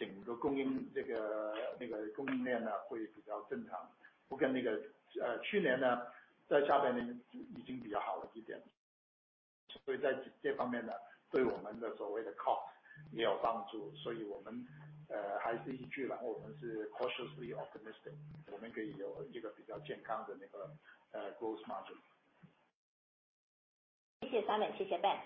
Speaker 2: 个问谢谢 Simon， 谢谢 Ben。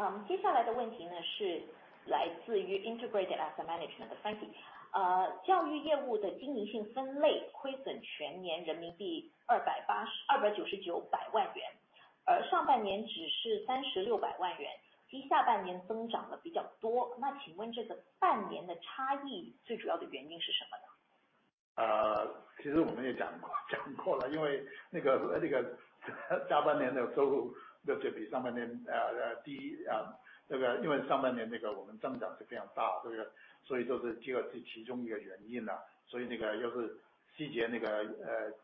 Speaker 2: 嗯接下来的问题呢是来自于 Integrated Asset Management 的 Sandy。呃教育业务的经营性分类亏损全年人民币二百八 十， 二百九十九百万 元， 而上半年只是三十六百万 元， 即下半年增长了比较多。那请问这个半年的差异最主要的原因是什么 呢？
Speaker 1: 其实我们也 讲过了, 因为那 个, 那个下半年的收入就是比上半年 低, 这个因为上半年这个我们增长是非常 大, 这个所以说是这个其中一个原因 呢, 所以那个就是细 节, 那个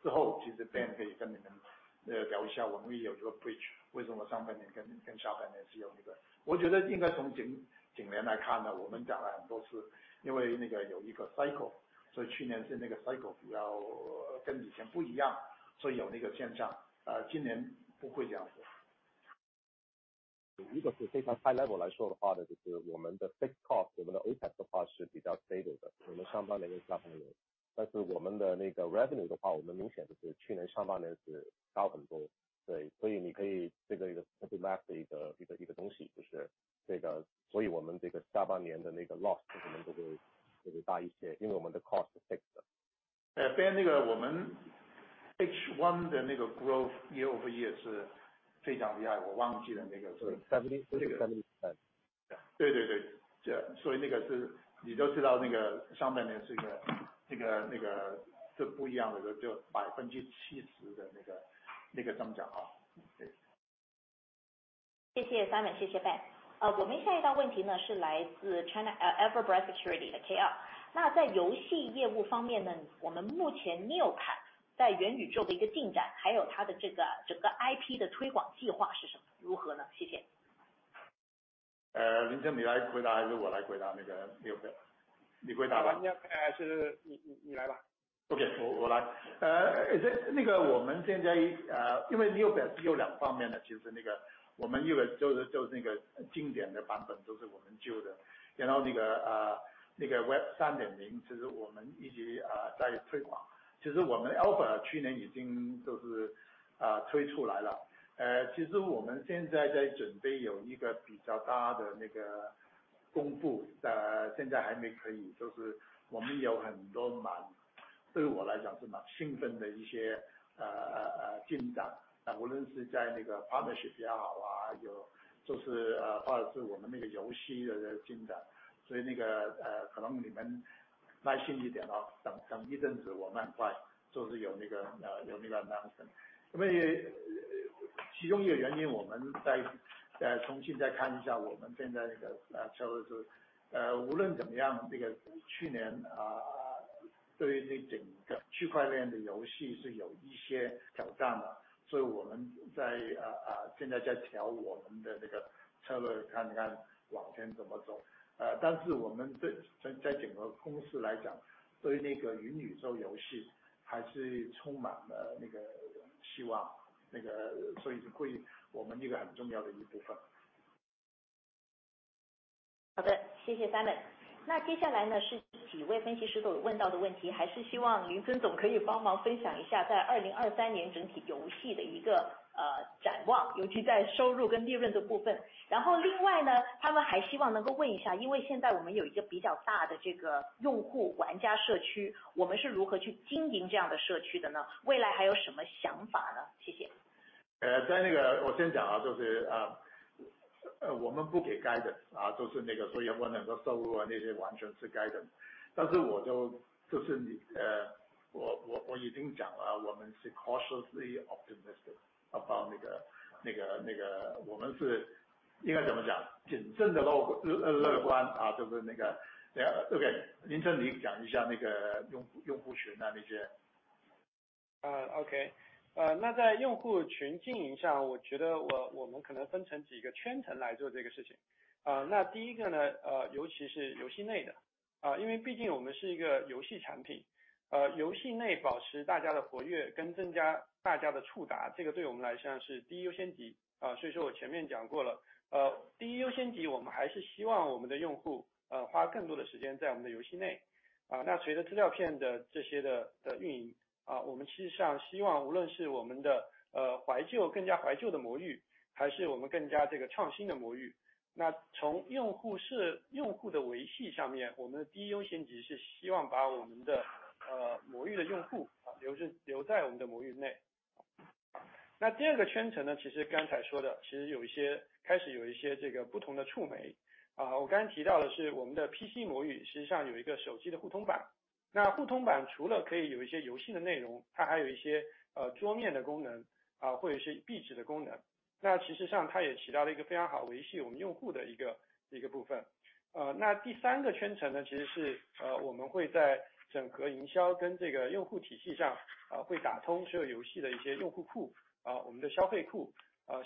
Speaker 1: 之后其实 Ben 可以跟你们聊一 下, 我们也有一个 bridge, 为什么上半年跟下半年是有这 个. 我觉得应该从景年来看 呢, 我们讲了很多 次, 因为那个有一个 cycle, 所以去年是那个 cycle 比较跟以前不一 样, 所以有那个现 象, 今年不会这样 子.
Speaker 3: If we're talking very high level, our fixed cost, our CAPEX, is relatively stable, both in the first half and the second half. Our revenue, we obviously had much higher revenue in the first half of last year, right. You can this one a match of one thing is this one. Our loss in the second half may be a bit larger, because our cost is fixed.
Speaker 2: 我 们H one 的 growth year-over-year 是非常厉 害， 我忘记了那个是。
Speaker 4: 75.
Speaker 2: 对， 那个是你就知道那个上面那个是一 个， 那个是不一样 的， 就 70% 的那个增长啊。
Speaker 1: 谢谢 Simon， 谢谢 Ben。呃， 我们下一道问题 呢， 是来自 China Everbright Securities 的 KL。那在游戏业务方面 呢， 我们目前 NeoPet 在元宇宙的一个进 展， 还有它的这个整个 IP 的推广计划是什 么， 如何 呢？ 谢谢。
Speaker 2: 呃， 林晨你来回答还是我来回 答， 那个 Neopets。你回答吧。
Speaker 4: 还是你来吧。
Speaker 2: OK, 我来。这个我们现 在， 因为 Neopets 是有两方面 的， 其实我们一个就是那个经典的版 本， 都是我们旧的。那个 Web 3.0， 其实我们一直在推广，其实我们 Alpha 去年已经就是推出来了。其实我们现在在准备有一个比较大的那个公 布， 但现在还没可 以， 就是我们有很多 蛮， 对于我来讲是蛮兴奋的一些进 展， 无论是在那个 partnership 也 好， 或者是我们那个游戏的进展。可能你们耐心一 点， 等一阵 子， 我们很快就是有那个 announcement。也其中一个原 因， 我们再重新再看一 下， 我们现在这个策略 是， 无论怎么 样， 这个去年对于这整个区块链的游戏是有一些挑战的。我们现在在调我们的这个策 略， 看一看往前怎么走。我们 对， 在整个公司来 讲， 对那个云宇宙游戏还是充满了那个希望。是我们一个很重要的一部分。
Speaker 1: 好 的， 谢谢 Simon。那接下来 呢， 是几位分析师都有问到的问 题， 还是希望林晨总可以帮忙分享一下在2023年整体游戏的一个 呃， 展 望， 尤其在收入跟利润的部分。然后另外 呢， 他们还希望能够问一 下， 因为现在我们有一个比较大的这个用户玩家社 区， 我们是如何去经营这样的社区的 呢？ 未来还有什么想法 呢？ 谢谢。
Speaker 2: 我先讲。我们不给 guidance， 都是。不能说收入那些完全是 guidance。我已经讲 了， 我们是 cautiously optimistic about 我们是应该怎么 讲， 谨慎的乐观。OK, Lin Chen, 你讲一下用户群那些。
Speaker 4: OK. 那在用户群经营 上， 我们可能分成几个圈层来做这个事情。第一个 呢， 尤其是游戏内 的， 因为毕竟我们是一个游戏产品，游戏内保持大家的活跃跟增加大家的触 达， 这个对我们来讲是第一优先级。我前面讲过 了， 第一优先级， 我们还是希望我们的用 户， 花更多的时间在我们的游戏内。随着资料片的这些的运 营， 我们事实上希望无论是我们的怀 旧， 更加怀旧的 Eudemons， 还是我们更加这个创新的 Eudemons， 从用户的维系上 面， 我们的第一优先级是希望把我们的 Eudemons 的用户留 住， 留在我们的 Eudemons 内。第二个圈层 呢， 其实刚才说的其实有 一些， 开始有一些这个不同的触 媒， 我刚刚提到的是我们的 PC Eudemons， 实际上有一个手机的互通 版， 互通版除了可以有一些游戏的内 容， 它还有一些桌面的功 能， 或者是壁纸的功 能， 其实上它也起到了一个非常好维系我们用户的一个部分。第三个圈层 呢， 其实是我们会在整合营销跟这个用户体系 上， 会打通所有游戏的一些用户 库， 我们的消费 库，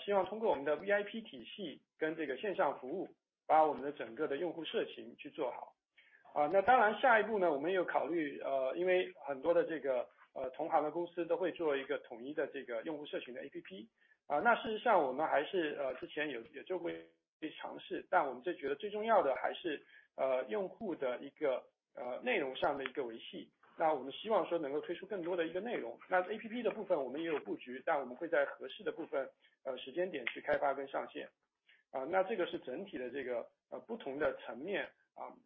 Speaker 4: 希望通过我们的 VIP 体系跟这个线上服 务， 把我们的整个的用户社群去做好。当然下一步 呢， 我们也有考 虑， 因为很多的这个同行的公司都会做一个统一的这个用户社群的 APP， 事实上我们还是之前也有过尝 试， 但我们觉得最重要的还是用户的一个内容上的一个维 系， 我们希望说能够推出更多的一个内容。APP 的部分我们也有布 局， 但我们会在合适的部分时间点去开发跟上 线， 这个是整体的这个不同的层面。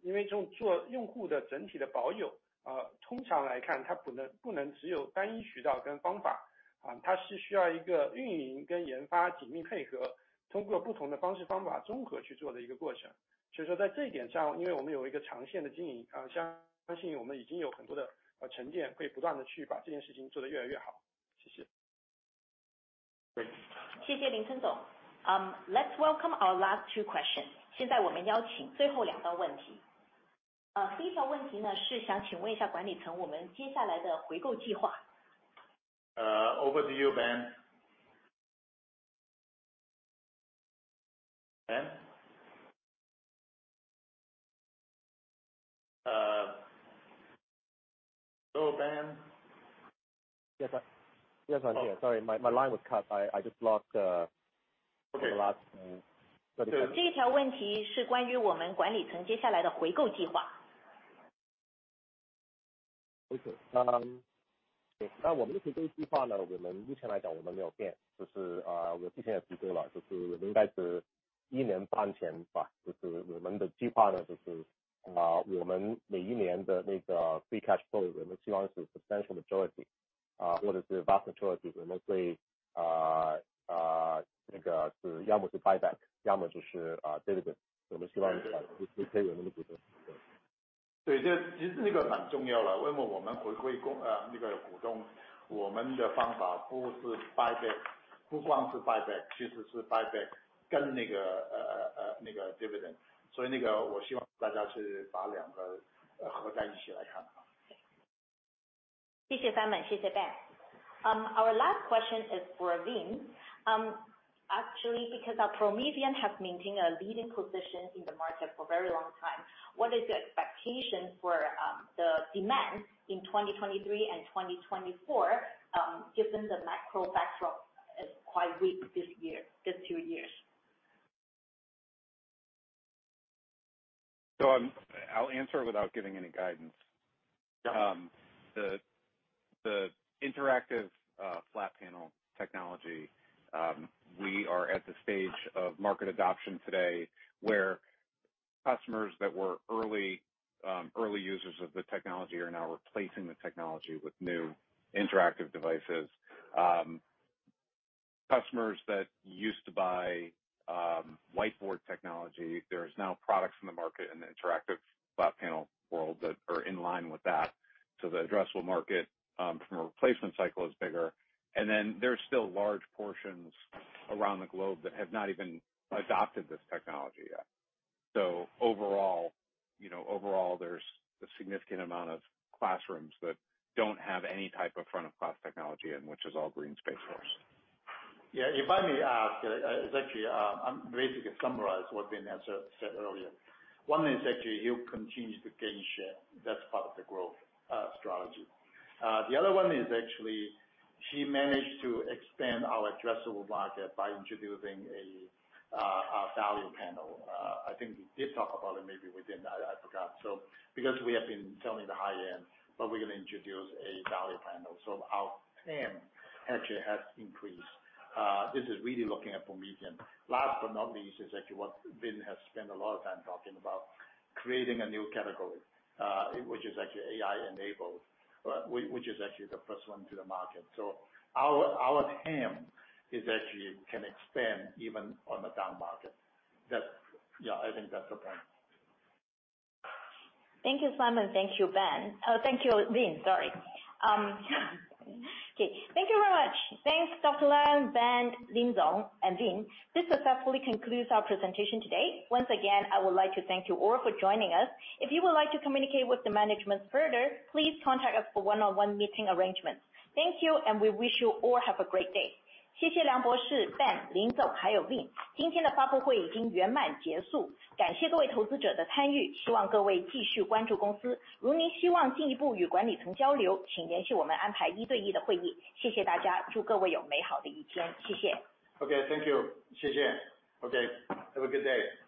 Speaker 4: 因为做用户的整体的保 有， 通常来 看， 它不能只有单一渠道跟方 法， 它是需要一个运营跟研发紧密配 合， 通过不同的方式方法综合去做的一个过程。在这一点 上， 因为我们有一个长线的经 营， 相信我们已经有很多的沉 淀， 会不断地去把这件事情做得越来越好。谢谢。
Speaker 1: 谢谢林晨总。Let's welcome our last 2 question. 现在我们邀请最后两道问题。第一条问题 呢， 是想请问一下管理层我们接下来的回购计划。
Speaker 2: Over to you, Ben. Ben? Hello, Ben?
Speaker 4: Yes, I'm here. Sorry, my line was cut. I just lost the last-.
Speaker 1: 这一条问题是关于我们管理层接下来的回购计划。
Speaker 4: 我们的回购计划 呢, 我们目前来讲我们没有 变, 就是我们之前也披露 了, 就是我们应该 是...
Speaker 8: One and a half years ago, I guess, that is our plan, our annual free cash flow, we hope is substantial majority or vast majority, we will either buyback or dividend, we hope to give to our shareholders.
Speaker 2: 对， 这其实这个蛮重要 了， 因为我们回馈 客， 呃， 那个股 东， 我们的方法不是 buyback， 不光是 buyback， 其实是 buyback 跟那 个， 呃， 呃， 呃， 那个 dividend。所以那个我希望大家是把两 个， 呃， 合在一起来看。
Speaker 1: 谢谢 Simon， 谢谢 Ben. Our last question is for Vin. Actually, because our Promethean has maintained a leading position in the market for a very long time, what is the expectation for the demand in 2023 and 2024, given the macro backdrop is quite weak this year, these two years?
Speaker 5: I'll answer without giving any guidance. The interactive flat panel technology, we are at the stage of market adoption today, where customers that were early users of the technology are now replacing the technology with new interactive devices. Customers that used to buy whiteboard technology, there's now products in the market in the interactive flat panel world that are in line with that. The addressable market from a replacement cycle is bigger. There's still large portions around the globe that have not even adopted this technology yet. Overall, you know, overall, there's a significant amount of classrooms that don't have any type of front-of-class technology in, which is all green space for us.
Speaker 2: Yeah, if I may ask, it's actually, I'm basically summarize what Vin answered earlier. One is actually he'll continue to gain share. That's part of the growth strategy. The other one is actually he managed to expand our addressable market by introducing a value panel. I think we did talk about it, maybe we didn't, I forgot. Because we have been selling the high-end, but we're gonna introduce a value panel, our TAM actually has increased. This is really looking at Promethean. Last but not least, is actually what Vin has spent a lot of time talking about, creating a new category, which is actually AI-enabled, which is actually the first one to the market. Our TAM is actually can expand even on a down market. Yeah, I think that's the point.
Speaker 1: Thank you, Simon. Thank you, Ben. Oh, thank you, Vin. Sorry. Okay. Thank you very much. Thanks, Liang Nianjian, Ben, Lin Chen and Vin. This successfully concludes our presentation today. Once again, I would like to thank you all for joining us. If you would like to communicate with the management further, please contact us for one-on-one meeting arrangements. Thank you. We wish you all have a great day. 谢谢梁博士 ，Ben，Lin 总， 还有 Vin。今天的发布会已经圆满结束。感谢各位投资者的参 与， 希望各位继续关注公司。如您希望进一步与管理层交 流， 请联系我们安排一对一的会议。谢谢大 家， 祝各位有美好的一天。谢谢。
Speaker 2: Okay, thank you. 谢 谢. Okay, have a good day.